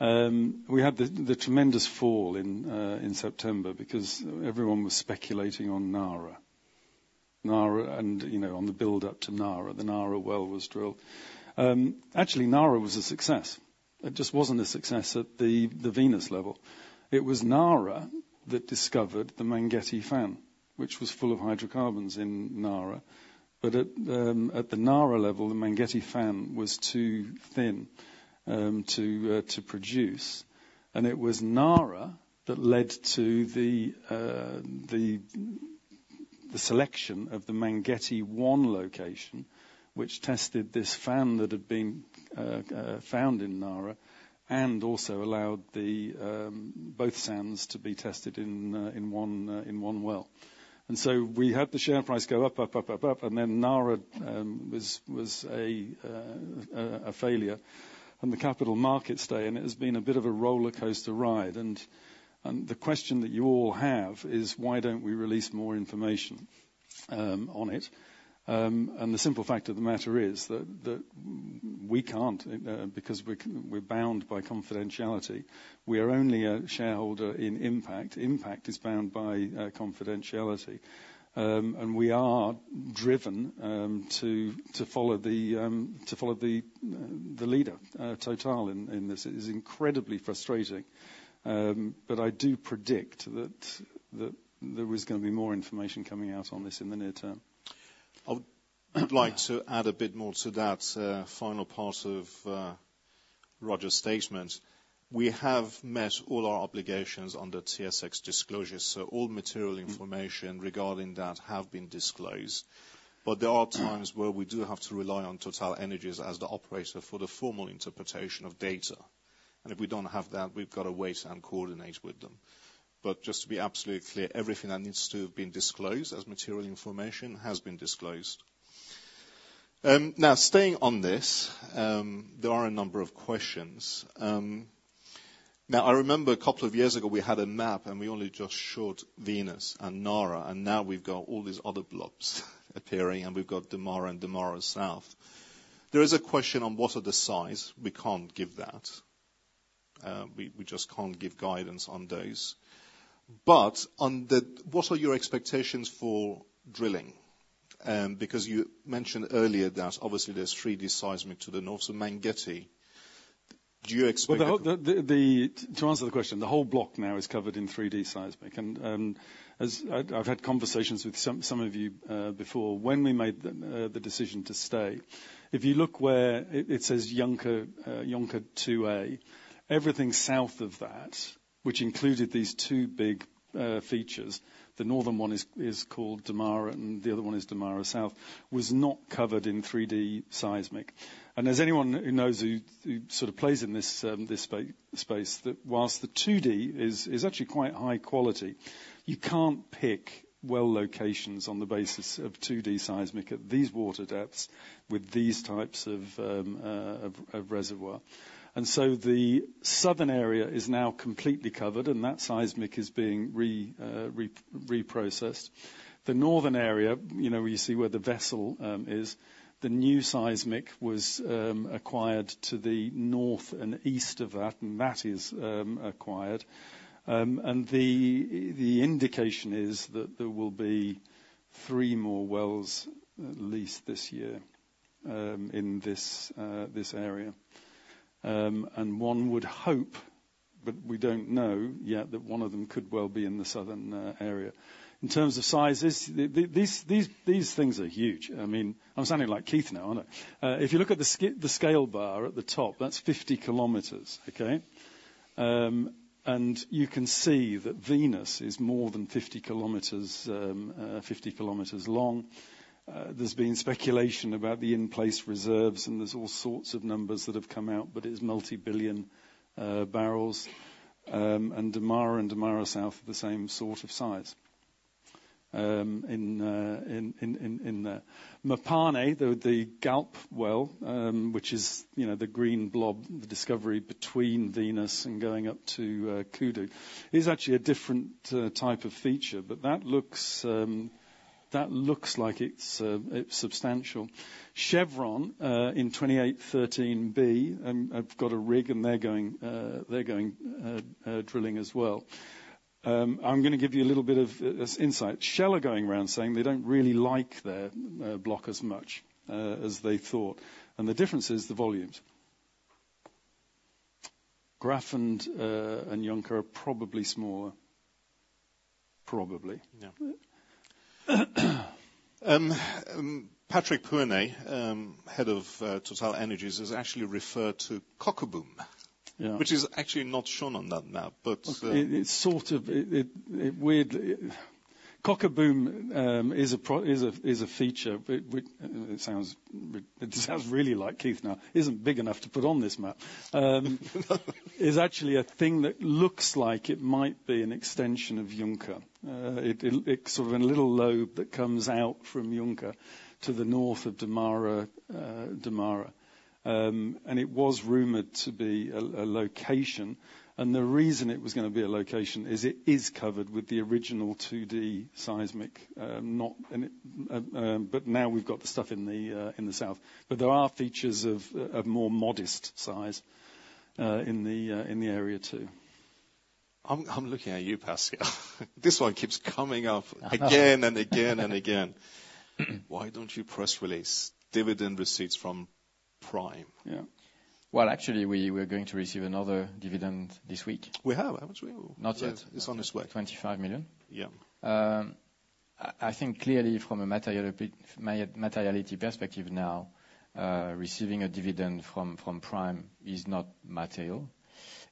We had the tremendous fall in September because everyone was speculating on Nara. Nara, and, you know, on the buildup to Nara. The Nara well was drilled. Actually, Nara was a success. It just wasn't a success at the Venus level. It was Nara that discovered the Mangetti fan, which was full of hydrocarbons in Nara. But at the Nara level, the Mangetti fan was too thin to produce. And it was Nara that led to the selection of the Mangetti 1 location, which tested this fan that had been found in Nara and also allowed both sands to be tested in one well. And so we had the share price go up, up, up, up, up, and then Nara was a failure. And the capital markets stayed, and it has been a bit of a rollercoaster ride. And the question that you all have is, why don't we release more information on it? And the simple fact of the matter is that we can't, because we're bound by confidentiality. We are only a shareholder in Impact. Impact is bound by confidentiality. And we are driven to follow the leader, Total, in this. It is incredibly frustrating. But I do predict that there is going to be more information coming out on this in the near term. I would like to add a bit more to that, final part of, Roger's statement. We have met all our obligations under TSX disclosure, so all material information regarding that have been disclosed. But there are times where we do have to rely on TotalEnergies as the operator for the formal interpretation of data. And if we don't have that, we've got to wait and coordinate with them. But just to be absolutely clear, everything that needs to have been disclosed as material information has been disclosed. Now, staying on this, there are a number of questions. Now, I remember a couple of years ago, we had a map, and we only just showed Venus and Nara, and now we've got all these other blocks appearing, and we've got Damara and South Damara. There is a question on what are the size. We can't give that. We just can't give guidance on those. But on the what are your expectations for drilling? Because you mentioned earlier that, obviously, there's 3D seismic to the north of Mangetti. Do you expect? Well, to answer the question, the whole block now is covered in 3D seismic. And, as I've had conversations with some of you, before when we made the decision to stay, if you look where it says Jonker, Jonker 2A, everything south of that, which included these two big features, the northern one is called Damara, and the other one is South Damara, was not covered in 3D seismic. And as anyone who knows who sort of plays in this space, that whilst the 2D is actually quite high quality, you can't pick well locations on the basis of 2D seismic at these water depths with these types of reservoir. And so the southern area is now completely covered, and that seismic is being reprocessed. The northern area, you know, where you see where the vessel is, the new seismic was acquired to the north and east of that, and that is acquired. And the indication is that there will be 3 more wells at least this year, in this area. And one would hope, but we don't know yet, that one of them could well be in the southern area. In terms of sizes, these, these, these, these things are huge. I mean, I'm sounding like Keith now, aren't I? If you look at the scale bar at the top, that's 50 kilometers, okay? And you can see that Venus is more than 50 kilometers, 50 kilometers long. There's been speculation about the in-place reserves, and there's all sorts of numbers that have come out, but it's multi-billion barrels. Damara and South Damara are the same sort of size in there. Mopane, the Galp well, which is, you know, the green blob, the discovery between Venus and going up to Kudu, is actually a different type of feature. But that looks like it's substantial. Chevron in 2813B, I've got a rig, and they're going drilling as well. I'm going to give you a little bit of insight. Shell are going around saying they don't really like their block as much as they thought. And the difference is the volumes. Graff and Jonker are probably smaller. Probably. Yeah. Patrick Pouyanné, head of TotalEnergies, has actually referred to Kokerboom, which is actually not shown on that map, but— It's sort of weirdly Kokerboom, is a prospect is a feature. It sounds really like Keith now. It isn't big enough to put on this map. It is actually a thing that looks like it might be an extension of Jonker. It sort of a little lobe that comes out from Jonker to the north of Damara. And it was rumored to be a location. And the reason it was going to be a location is it is covered with the original 2D seismic, not, but now we've got the stuff in the south. But there are features of more modest size in the area too. I'm looking at you, Pascal. This one keeps coming up again and again and again. Why don't you press release dividend receipts from Prime? Yeah. Well, actually, we're going to receive another dividend this week. We have? Haven't we? Not yet. It's on its way. 25 million? Yeah. I think clearly from a materiality perspective now, receiving a dividend from Prime is not material.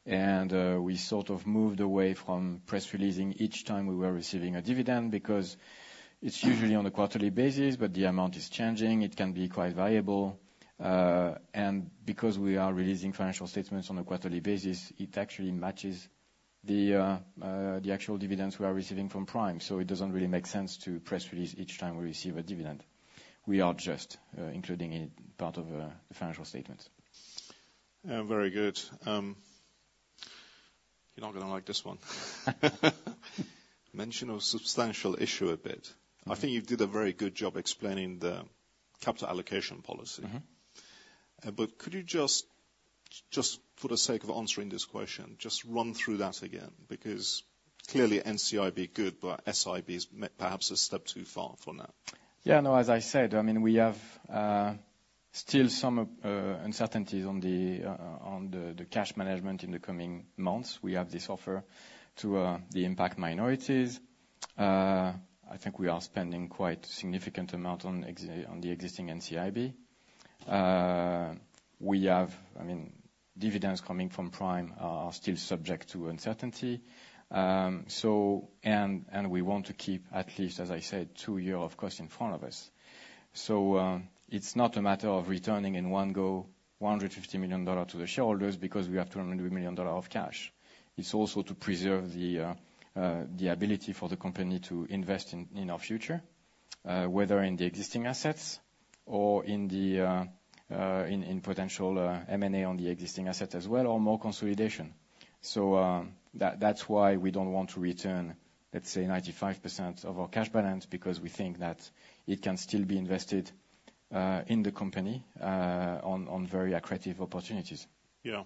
We sort of moved away from press releasing each time we were receiving a dividend because it's usually on a quarterly basis, but the amount is changing. It can be quite variable, and because we are releasing financial statements on a quarterly basis, it actually matches the actual dividends we are receiving from Prime. So it doesn't really make sense to press release each time we receive a dividend. We are just including it part of the financial statements. Very good. You're not going to like this one. Mention of Substantial Issuer Bid. I think you did a very good job explaining the capital allocation policy. But could you just, just for the sake of answering this question, just run through that again? Because clearly, NCIB good, but SIB is perhaps a step too far for now. Yeah. No, as I said, I mean, we have still some uncertainties on the cash management in the coming months. We have this offer to the Impact minorities. I think we are spending quite a significant amount on the existing NCIB. We have, I mean, dividends coming from Prime are still subject to uncertainty. So and we want to keep at least, as I said, two years of cost in front of us. So, it's not a matter of returning in one go $150 million to the shareholders because we have $200 million of cash. It's also to preserve the ability for the company to invest in our future, whether in the existing assets or in potential M&A on the existing asset as well or more consolidation. So, that's why we don't want to return, let's say, 95% of our cash balance because we think that it can still be invested in the company on very accretive opportunities. Yeah.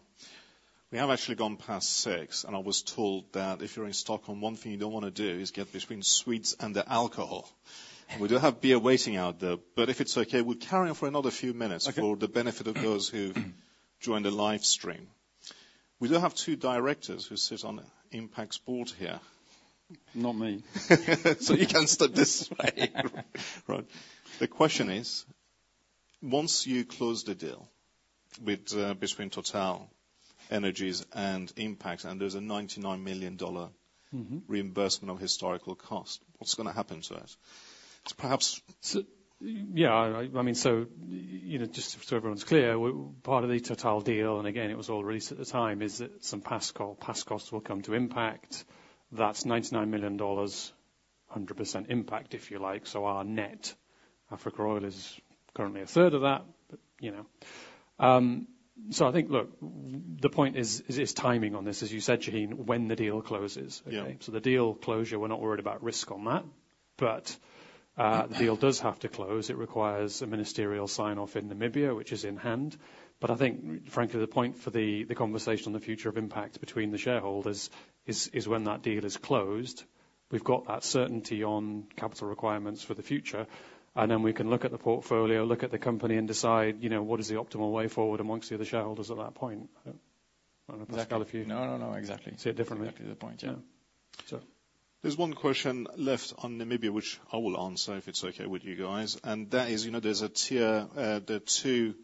We have actually gone past 6:00, and I was told that if you're in Stockholm, one thing you don't want to do is get between sweets and the alcohol. We do have beer waiting out there, but if it's okay, we'll carry on for another few minutes for the benefit of those who've joined the live stream. We do have two directors who sit on Impact's board here. Not me. So you can't step this way. Right. The question is, once you close the deal with, between TotalEnergies and Impact, and there's a $99 million reimbursement of historical cost, what's going to happen to it? It's perhaps— So yeah, I mean, so, you know, just so everyone's clear, part of the Total deal, and again, it was all released at the time, is that some past costs will come to Impact. That's $99 million, 100% Impact, if you like. So our net Africa Oil is currently a third of that, but, you know. So I think, look, the point is, is timing on this. As you said, Shahin, when the deal closes, okay? So the deal closure, we're not worried about risk on that. But, the deal does have to close. It requires a ministerial sign-off in Namibia, which is in hand. But I think, frankly, the point for the conversation on the future of Impact between the shareholders is when that deal is closed. We've got that certainty on capital requirements for the future. Then we can look at the portfolio, look at the company, and decide, you know, what is the optimal way forward amongst the other shareholders at that point. I don't know if Pascal if you. No, no, no. Exactly. See it differently. Exactly the point, yeah. Yeah. So. There's one question left on Namibia, which I will answer if it's okay with you guys. That is, you know, there's a tier. There are two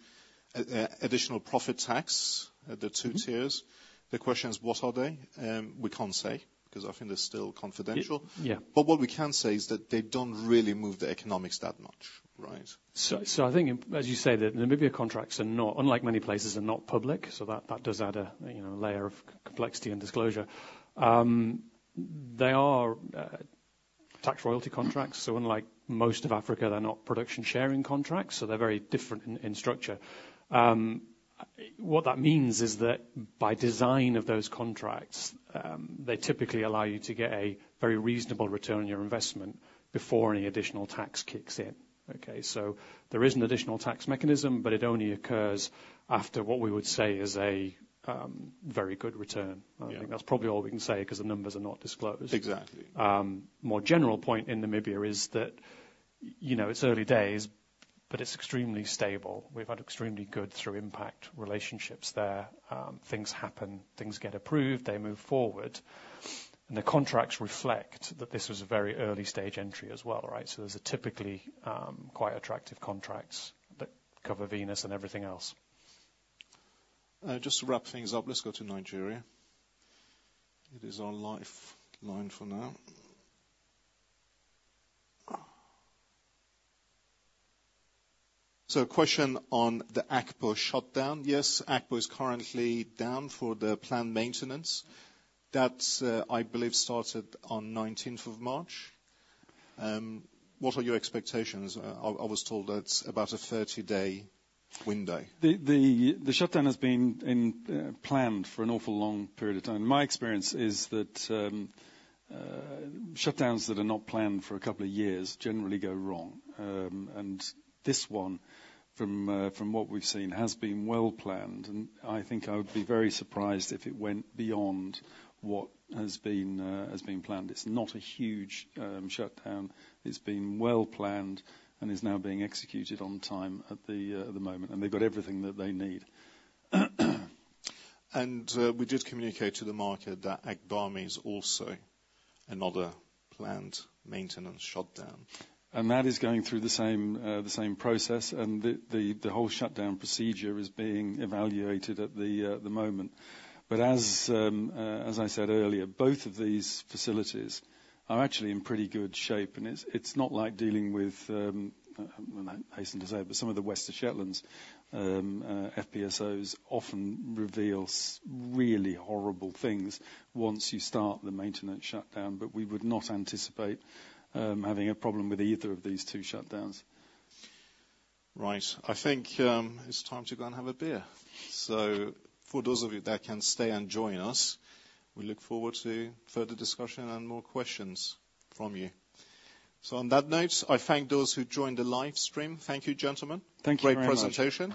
additional profit tax, the two tiers. The question is, what are they? We can't say because I think they're still confidential. Yeah. But what we can say is that they don't really move the economics that much, right? So I think, as you say, that Namibia contracts are not unlike many places, are not public. So that does add a, you know, layer of complexity and disclosure. They are tax royalty contracts. So unlike most of Africa, they're not production-sharing contracts. So they're very different in structure. What that means is that by design of those contracts, they typically allow you to get a very reasonable return on your investment before any additional tax kicks in, okay? So there is an additional tax mechanism, but it only occurs after what we would say is a very good return. I think that's probably all we can say because the numbers are not disclosed. Exactly. More general point in Namibia is that, you know, it's early days, but it's extremely stable. We've had extremely good through Impact relationships there. Things happen. Things get approved. They move forward. And the contracts reflect that this was a very early-stage entry as well, right? So there's typically quite attractive contracts that cover Venus and everything else. Just to wrap things up, let's go to Nigeria. It is our live line for now. So a question on the Akpo shutdown. Yes, Akpo is currently down for the planned maintenance. That's, I believe, started on 19th of March. What are your expectations? I was told that's about a 30-day window. The shutdown has been planned for an awful long period of time. My experience is that shutdowns that are not planned for a couple of years generally go wrong. This one, from what we've seen, has been well planned. I think I would be very surprised if it went beyond what has been planned. It's not a huge shutdown. It's been well planned and is now being executed on time at the moment. They've got everything that they need. We did communicate to the market that Agbami is also another planned maintenance shutdown. That is going through the same process. The whole shutdown procedure is being evaluated at the moment. But as I said earlier, both of these facilities are actually in pretty good shape. And it's not like dealing with, I hasten to say, but some of the Western Shetlands FPSOs often reveal really horrible things once you start the maintenance shutdown. But we would not anticipate having a problem with either of these two shutdowns. Right. I think it's time to go and have a beer. For those of you that can stay and join us, we look forward to further discussion and more questions from you. On that note, I thank those who joined the live stream. Thank you, gentlemen. Thank you very much. Great presentation.